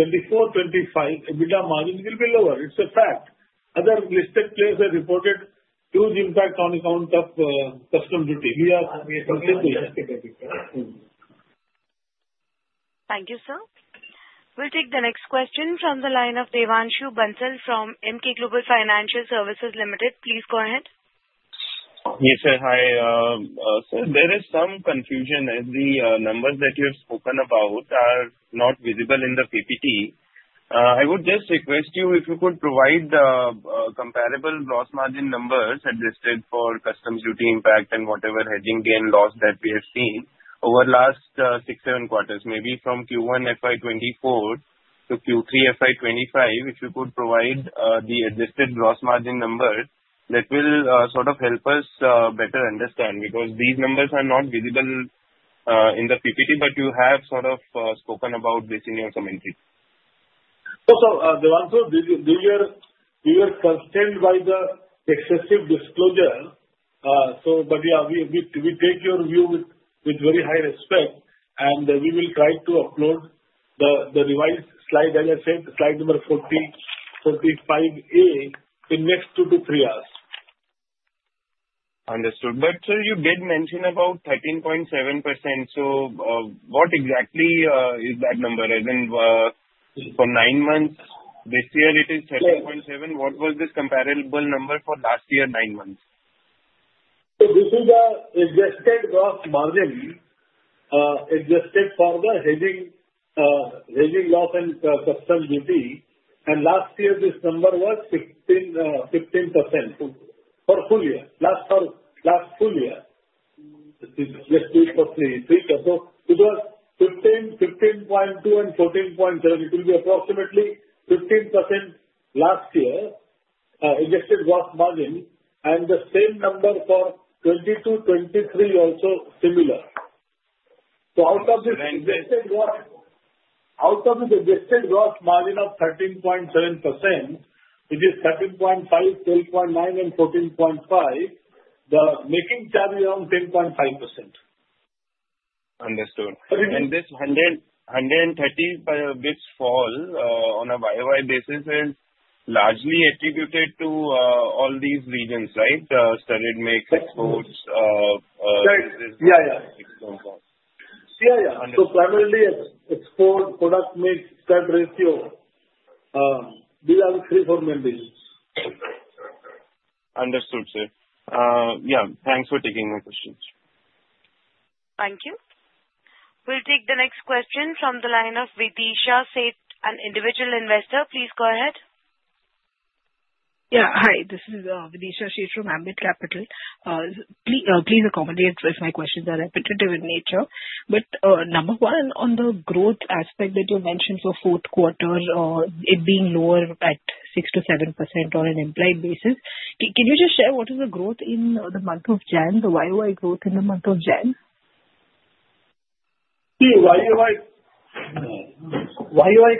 2025, EBITDA margin will be lower. It's a fact. Other listed players have reported huge impact on account of customs duty. We are simply expecting that. Thank you, sir. We'll take the next question from the line of Devanshu Bansal from Emkay Global Financial Services Limited. Please go ahead. Yes, sir. Hi. Sir, there is some confusion. The numbers that you have spoken about are not visible in the PPT. I would just request you if you could provide the comparable gross margin numbers adjusted for customs duty impact and whatever hedging gain loss that we have seen over the last six, seven quarters, maybe from Q1 FY 2024 to Q3 FY 2025, if you could provide the adjusted gross margin number, that will sort of help us better understand because these numbers are not visible in the PPT, but you have sort of spoken about this in your commentary. Also, Devanshu, we were concerned by the excessive disclosure. But yeah, we take your view with very high respect, and we will try to upload the revised slide, as I said, slide number 45A in the next 2-3 hours. Understood. But sir, you did mention about 13.7%. So what exactly is that number? As in for nine months, this year it is 13.7%. What was this comparable number for last year nine months? This is the adjusted gross margin adjusted for the hedging loss and customs duty. Last year, this number was 15% for full year, last full year. Let's do it for three years. So it was 15.2% and 14.7%. It will be approximately 15% last year adjusted gross margin. And the same number for 2022, 2023 also similar. So out of this adjusted gross margin of 13.7%, it is 13.5%, 12.9%, and 14.5%. The making charge is around 10.5%. Understood. And this 130 basis points fall on a YoY basis is largely attributed to all these regions, right? Studded makes, exports, businesses. Primarily export, product mix, stud ratio. These are the three fundamentals. Understood, sir. Yeah. Thanks for taking my questions. Thank you. We'll take the next question from the line of Videesha Sheth, an individual investor. Please go ahead. Yeah. Hi. This is Videesha Sheth from Ambit Capital. Please accommodate with my questions that are repetitive in nature. But number one, on the growth aspect that you mentioned for fourth quarter, it being lower at 6%-7% on an implied basis. Can you just share what is the growth in the month of January, the YoY growth in the month of January? See, YoY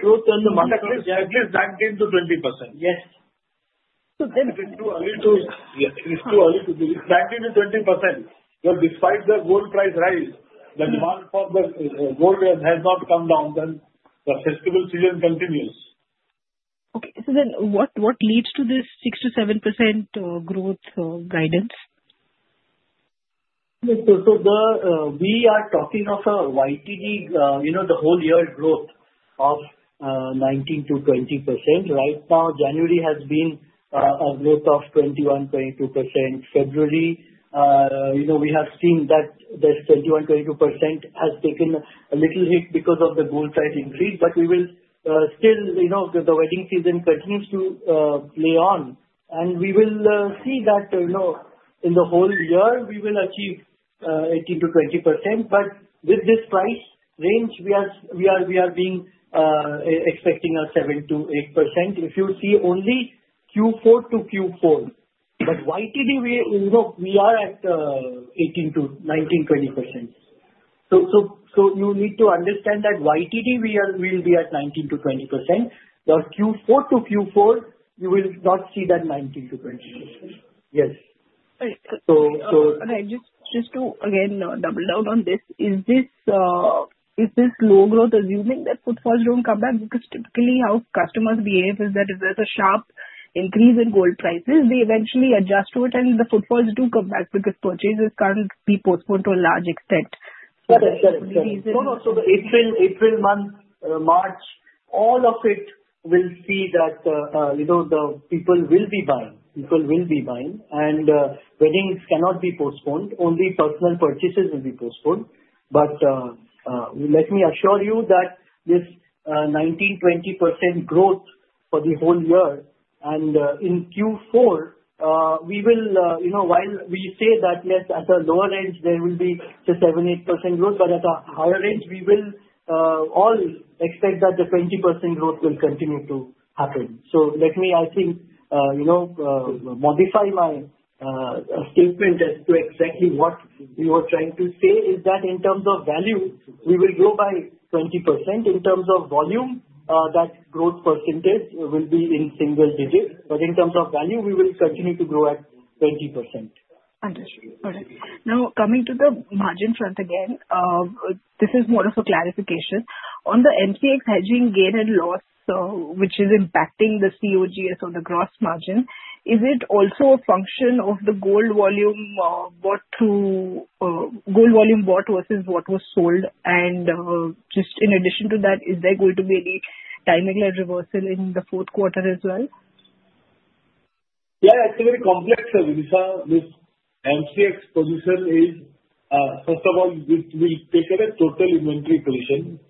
growth in the month of January is 19%-20%. Yes. It is too early to say. It's 19%-20%. But despite the gold price rise, the demand for the gold has not come down. Then the festive season continues. Okay. So then what leads to this 6%-7% growth guidance? We are talking of a YTD, the whole year growth of 19%-20%. Right now, January has been a growth of 21-22%. February, we have seen that this 21%-22% has taken a little hit because of the gold price increase. But we will still, the wedding season continues to play on. And we will see that in the whole year, we will achieve 18-20%. But with this price range, we are being expecting a 7%-8% if you see only Q4 to Q4. But YTD, we are at 18% to 19%, 20%. So you need to understand that YTD, we will be at 19%-20%. The Q4 to Q4, you will not see that 19%-20%. Yes. Okay, so just to again double down on this, is this low growth assuming that footfalls don't come back? Because typically how customers behave is that if there's a sharp increase in gold prices, they eventually adjust to it, and the footfalls do come back because purchases can be postponed to a large extent. Okay. So April, March, all of it will see that the people will be buying. People will be buying. And weddings cannot be postponed. Only personal purchases will be postponed. But let me assure you that this 19%-20% growth for the whole year. And in Q4, we will, while we say that at a lower range, there will be 7%-8% growth, but at a higher range, we will all expect that the 20% growth will continue to happen. So let me, I think, modify my statement as to exactly what we were trying to say is that in terms of value, we will grow by 20%. In terms of volume, that growth percentage will be in single digit. But in terms of value, we will continue to grow at 20%. Understood. Okay. Now, coming to the margin front again, this is more of a clarification. On the MCX hedging gain and loss, which is impacting the COGS or the gross margin, is it also a function of the gold volume bought vs what was sold? And just in addition to that, is there going to be any dynamic reversal in the fourth quarter as well? Yeah. It's a very complex, Videesha. This MCX position is, first of all, it will take a total inventory position.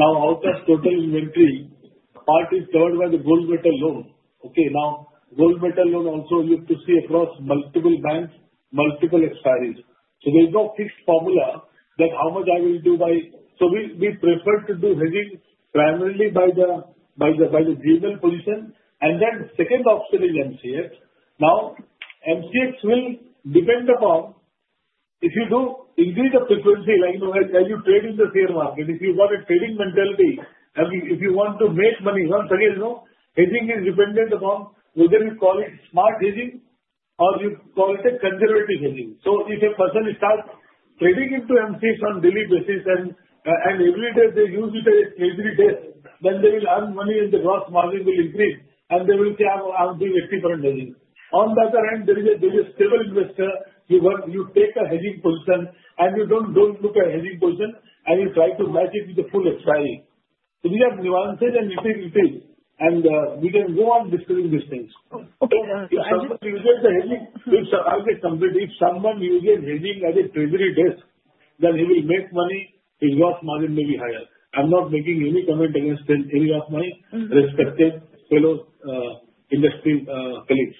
Now, out of total inventory, part is covered by the gold metal loan. Okay. Now, gold metal loan also you have to see across multiple banks, multiple expiries. So there is no fixed formula that how much I will do by. So we prefer to do hedging primarily by the gold position. And then second option is MCX. Now, MCX will depend upon if you do increase the frequency, like I tell you, trade in the share market. If you got a trading mentality, if you want to make money, once again, hedging is dependent upon whether you call it smart hedging or you call it a conservative hedging. So if a person starts trading into MCX on a daily basis and every day they use it every day, then they will earn money and the gross margin will increase. And they will say, "I'll do 80% hedging." On the other hand, there is a stable investor. You take a hedging position and you don't look at a hedging position and you try to match it with the full expiry. So we have nuances and nitty-gritties. And we can go on discussing these things. So if you get the hedging, it's a target company. If someone uses hedging at a treasury desk, then he will make money. His gross margin may be higher. I'm not making any comment against any of my respected fellow industry colleagues.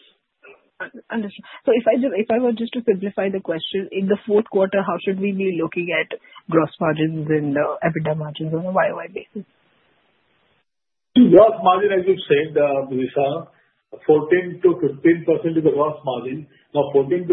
Understood. So if I were just to simplify the question, in the fourth quarter, how should we be looking at gross margins and EBITDA margins on a YoY basis? Gross margin, as you said, Videesha, 14%-15% is the gross margin. Now, 14%-15%,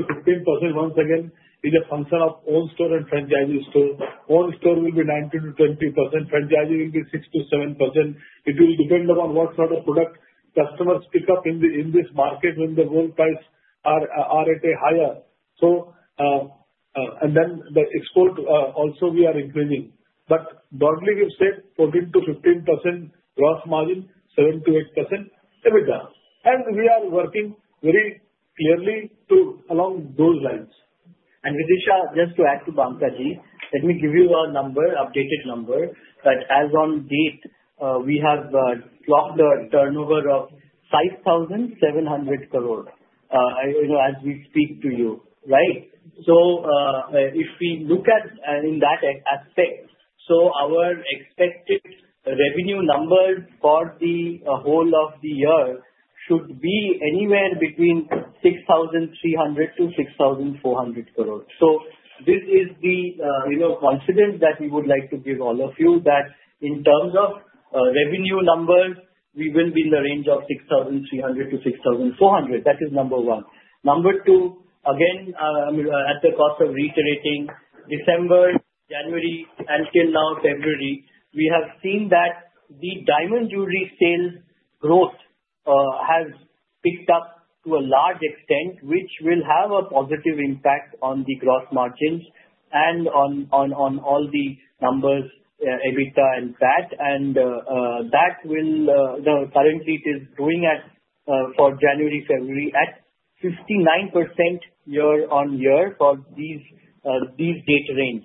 once again, is a function of own store and franchisee store. Own store will be 19%-20%. Franchisee will be 6%-7%. It will depend upon what sort of product customers pick up in this market when the gold prices are at a higher. And then the export also we are increasing. But broadly, we've said 14%-15% gross margin, 7%-8% EBITDA. And we are working very clearly along those lines. and Videesha, just to add to Banka, let me give you a number, updated number. But as of date, we have clocked a turnover of 5,700 crore as we speak to you, right? So if we look at in that aspect, so our expected revenue number for the whole of the year should be anywhere between 6,300 crore-6,400 crore. So this is the confidence that we would like to give all of you that in terms of revenue numbers, we will be in the range of 6,300 crore-6,400 crore. That is number one. Number two, again, at the cost of reiterating, December, January, until now, February, we have seen that the diamond jewelry sales growth has picked up to a large extent, which will have a positive impact on the gross margins and on all the numbers, EBITDA and that. And that will, currently it is growing for January, February at 59% year-on-year for this date range,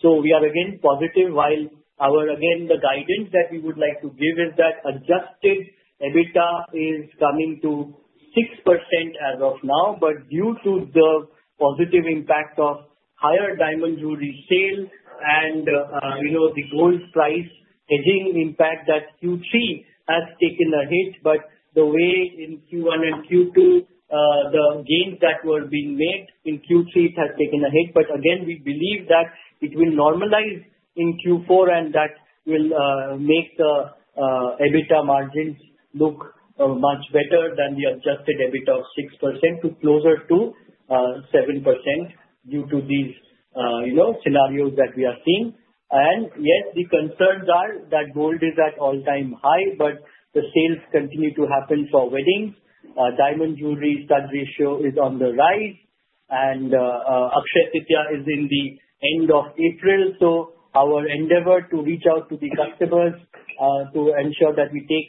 so we are again positive while our again, the guidance that we would like to give is that adjusted EBITDA is coming to 6% as of now, but due to the positive impact of higher diamond jewelry sales and the gold price hedging impact that Q3 has taken a hit, but the way in Q1 and Q2, the gains that were being made in Q3, it has taken a hit, but again, we believe that it will normalize in Q4 and that will make the EBITDA margins look much better than the adjusted EBITDA of 6% to closer to 7% due to these scenarios that we are seeing, and yet, the concerns are that gold is at all-time high, but the sales continue to happen for weddings. Diamond jewelry stud ratio is on the rise, and Akshaya Tritiya is in the end of April, so our endeavor to reach out to the customers to ensure that we take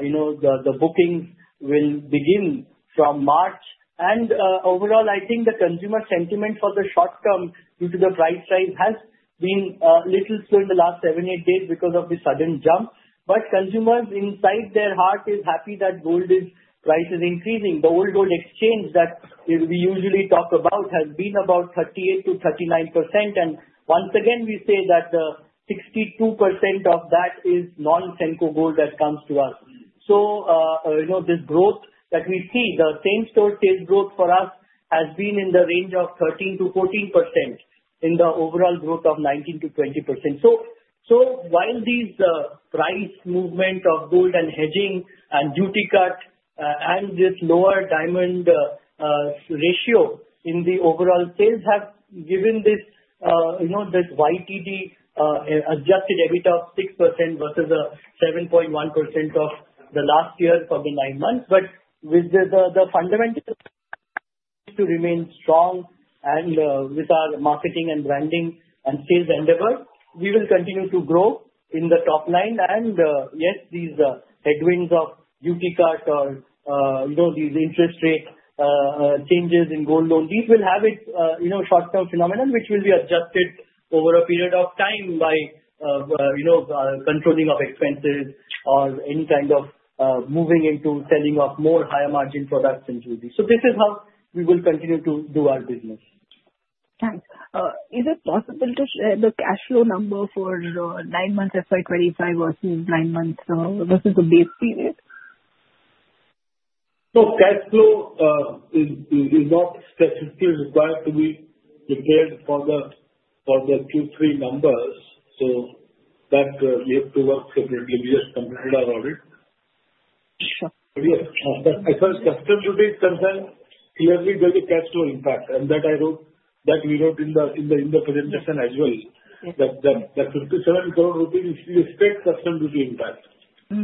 the bookings will begin from March, and overall, I think the consumer sentiment for the short term due to the price rise has been a little slow in the last seven, eight days because of the sudden jump, but consumers inside their heart are happy that gold price is increasing. The old gold exchange that we usually talk about has been about 38%-39%, and once again, we say that 62% of that is non-Senco gold that comes to us, so this growth that we see, the same store sales growth for us has been in the range of 13%-14% in the overall growth of 19%-20%. While these price movement of gold and hedging and duty cut and this lower diamond ratio in the overall sales have given this YTD adjusted EBITDA of 6% vs 7.1% of the last year for the nine months, but with the fundamentals to remain strong and with our marketing and branding and sales endeavor, we will continue to grow in the top line, and yet, these headwinds of duty cut or these interest rate changes in gold loan, these will have its short-term phenomenon, which will be adjusted over a period of time by controlling of expenses or any kind of moving into selling of more higher margin products and jewelry, so this is how we will continue to do our business. Thanks. Is it possible to share the cash flow number for nine months FY 2025 vs nine months vs the base period? So cash flow is not specifically required to be prepared for the Q3 numbers. So that we have to work separately. We just completed our audit. But yes, as far as customs duty is concerned, clearly there is a cash flow impact. And that we wrote in the presentation as well. That 57 crore rupees is the stated customs duty impact.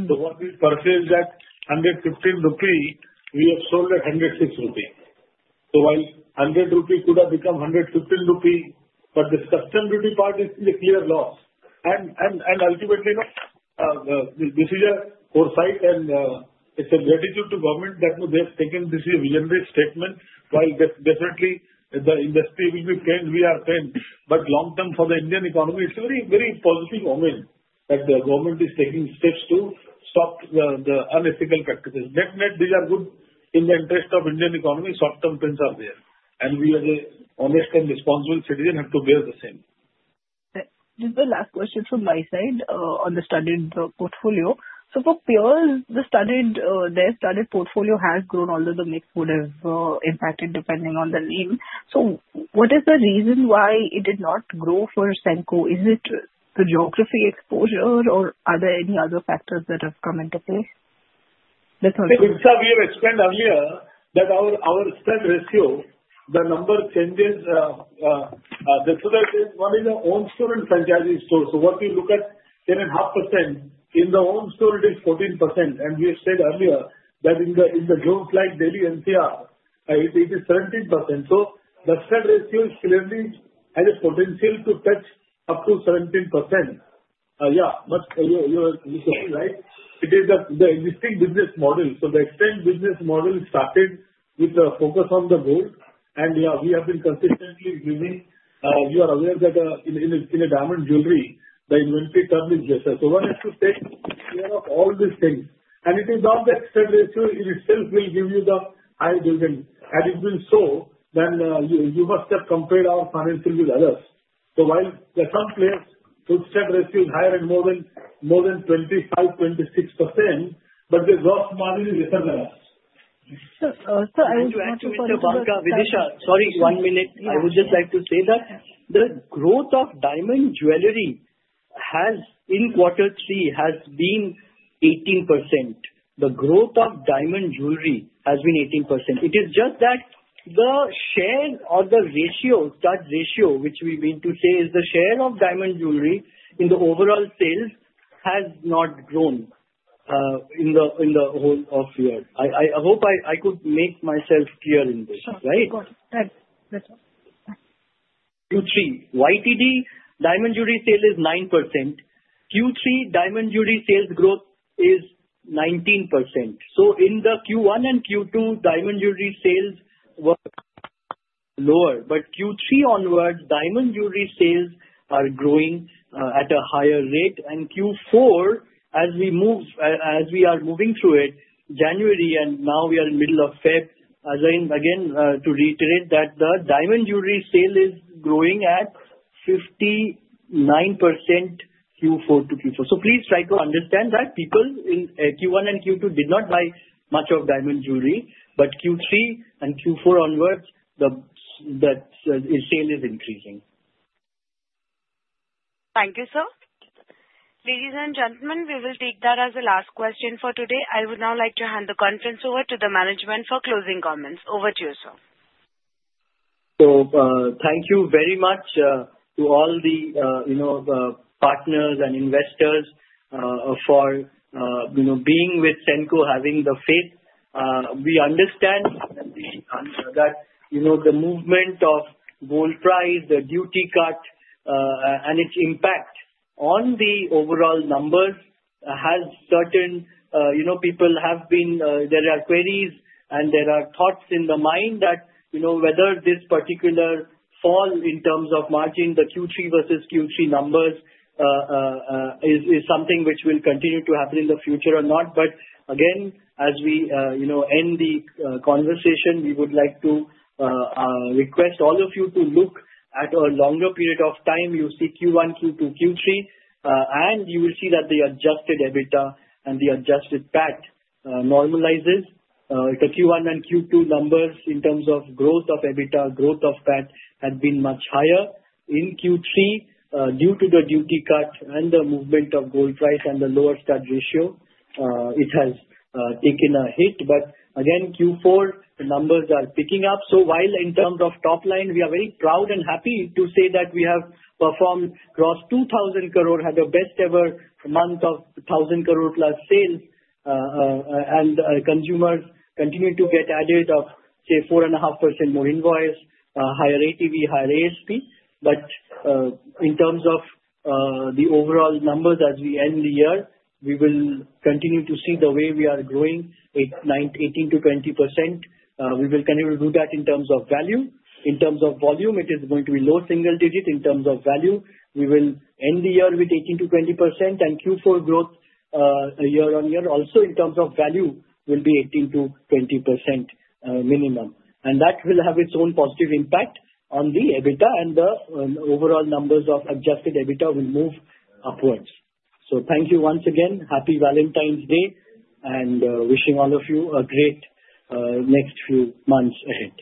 So what we perceive is that 115 rupee, we have sold at 106 rupee. So while 100 rupee could have become 115 rupee, but the customs duty part is the clear loss. And ultimately, this is a foresight and it's a great tribute to government that they have taken this visionary statement. While definitely, the industry will be pained, we are pained. But long term for the Indian economy, it's a very positive moment that the government is taking steps to stop the unethical practices. Net, net, these are good in the interest of Indian economy. Short-term pains are there, and we as an honest and responsible citizen have to bear the same. Just the last question from my side on the studded portfolio. So for peers, the studded portfolio has grown although the mix would have impacted depending on the name. So what is the reason why it did not grow for Senco? Is it the geographical exposure or are there any other factors that have come into play? It's how we have explained earlier that our expense ratio, the number, changes. One is the own store and franchisee store. So what we look at, 10.5%. In the own store, it is 14%. And we have said earlier that in the growth like Delhi NCR, it is 17%. So the expense ratio clearly has a potential to touch up to 17%. Yeah. You see, right? It is the existing business model. So the existing business model started with a focus on the gold. And yeah, we have been consistently giving. You are aware that in a diamond jewelry, the inventory term is just that. So one has to take care of all these things. And it is not that expense ratio in itself will give you the high dividend. And it will show when you must have compared our financial with others. So while some players put expense ratio is higher and more than 25%-26%, but the gross margin is better than us. I would just like to. Videesha, sorry, one minute. I would just like to say that the growth of diamond jewelry in quarter three has been 18%. The growth of diamond jewelry has been 18%. It is just that the share or the ratio, stud ratio, which we mean to say is the share of diamond jewelry in the overall sales has not grown in the whole of year. I hope I could make myself clear in this, right? Of course. That's all. Q3 YTD diamond jewelry sale is 9%. Q3 diamond jewelry sales growth is 19%. In the Q1 and Q2, diamond jewelry sales were lower. Q3 onwards, diamond jewelry sales are growing at a higher rate. Q4, as we are moving through it, January, and now we are in the middle of February, again, to reiterate that the diamond jewelry sale is growing at 59% Q4 to Q4. Please try to understand that people in Q1 and Q2 did not buy much of diamond jewelry. Q3 and Q4 onwards, the sale is increasing. Thank you, sir. Ladies and gentlemen, we will take that as the last question for today. I would now like to hand the conference over to the management for closing comments. Over to you, sir. So, thank you very much to all the partners and investors for being with Senco, having the faith. We understand that the movement of gold price, the duty cut, and its impact on the overall numbers. There are queries and there are thoughts in the mind that whether this particular fall in terms of margin, the Q3 vs Q3 numbers is something which will continue to happen in the future or not. But again, as we end the conversation, we would like to request all of you to look at a longer period of time. You see Q1, Q2, Q3, and you will see that the adjusted EBITDA and the adjusted PAT normalizes. The Q1 and Q2 numbers in terms of growth of EBITDA, growth of PAT had been much higher. In Q3, due to the duty cut and the movement of gold price and the lower stud ratio, it has taken a hit, but again, Q4, the numbers are picking up. While in terms of top line, we are very proud and happy to say that we have performed across 2,000 crore, had a best-ever month of 1,000 crore+ sales, and consumers continue to get added of, say, 4.5% more invoice, higher ATV, higher ASP. In terms of the overall numbers as we end the year, we will continue to see the way we are growing 18%-20%. We will continue to do that in terms of value. In terms of volume, it is going to be low single digit. In terms of value, we will end the year with 18%-20%. And Q4 growth year-on-year also in terms of value will be 18%-20% minimum. And that will have its own positive impact on the EBITDA. And the overall numbers of adjusted EBITDA will move upwards. So thank you once again. Happy Valentine's Day. And wishing all of you a great next few months ahead.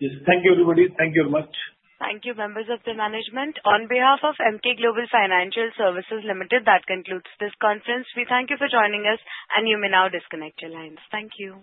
Yes. Thank you, everybody. Thank you very much. Thank you, members of the management. On behalf of Emkay Global Financial Services Limited, that concludes this conference. We thank you for joining us, and you may now disconnect your lines. Thank you.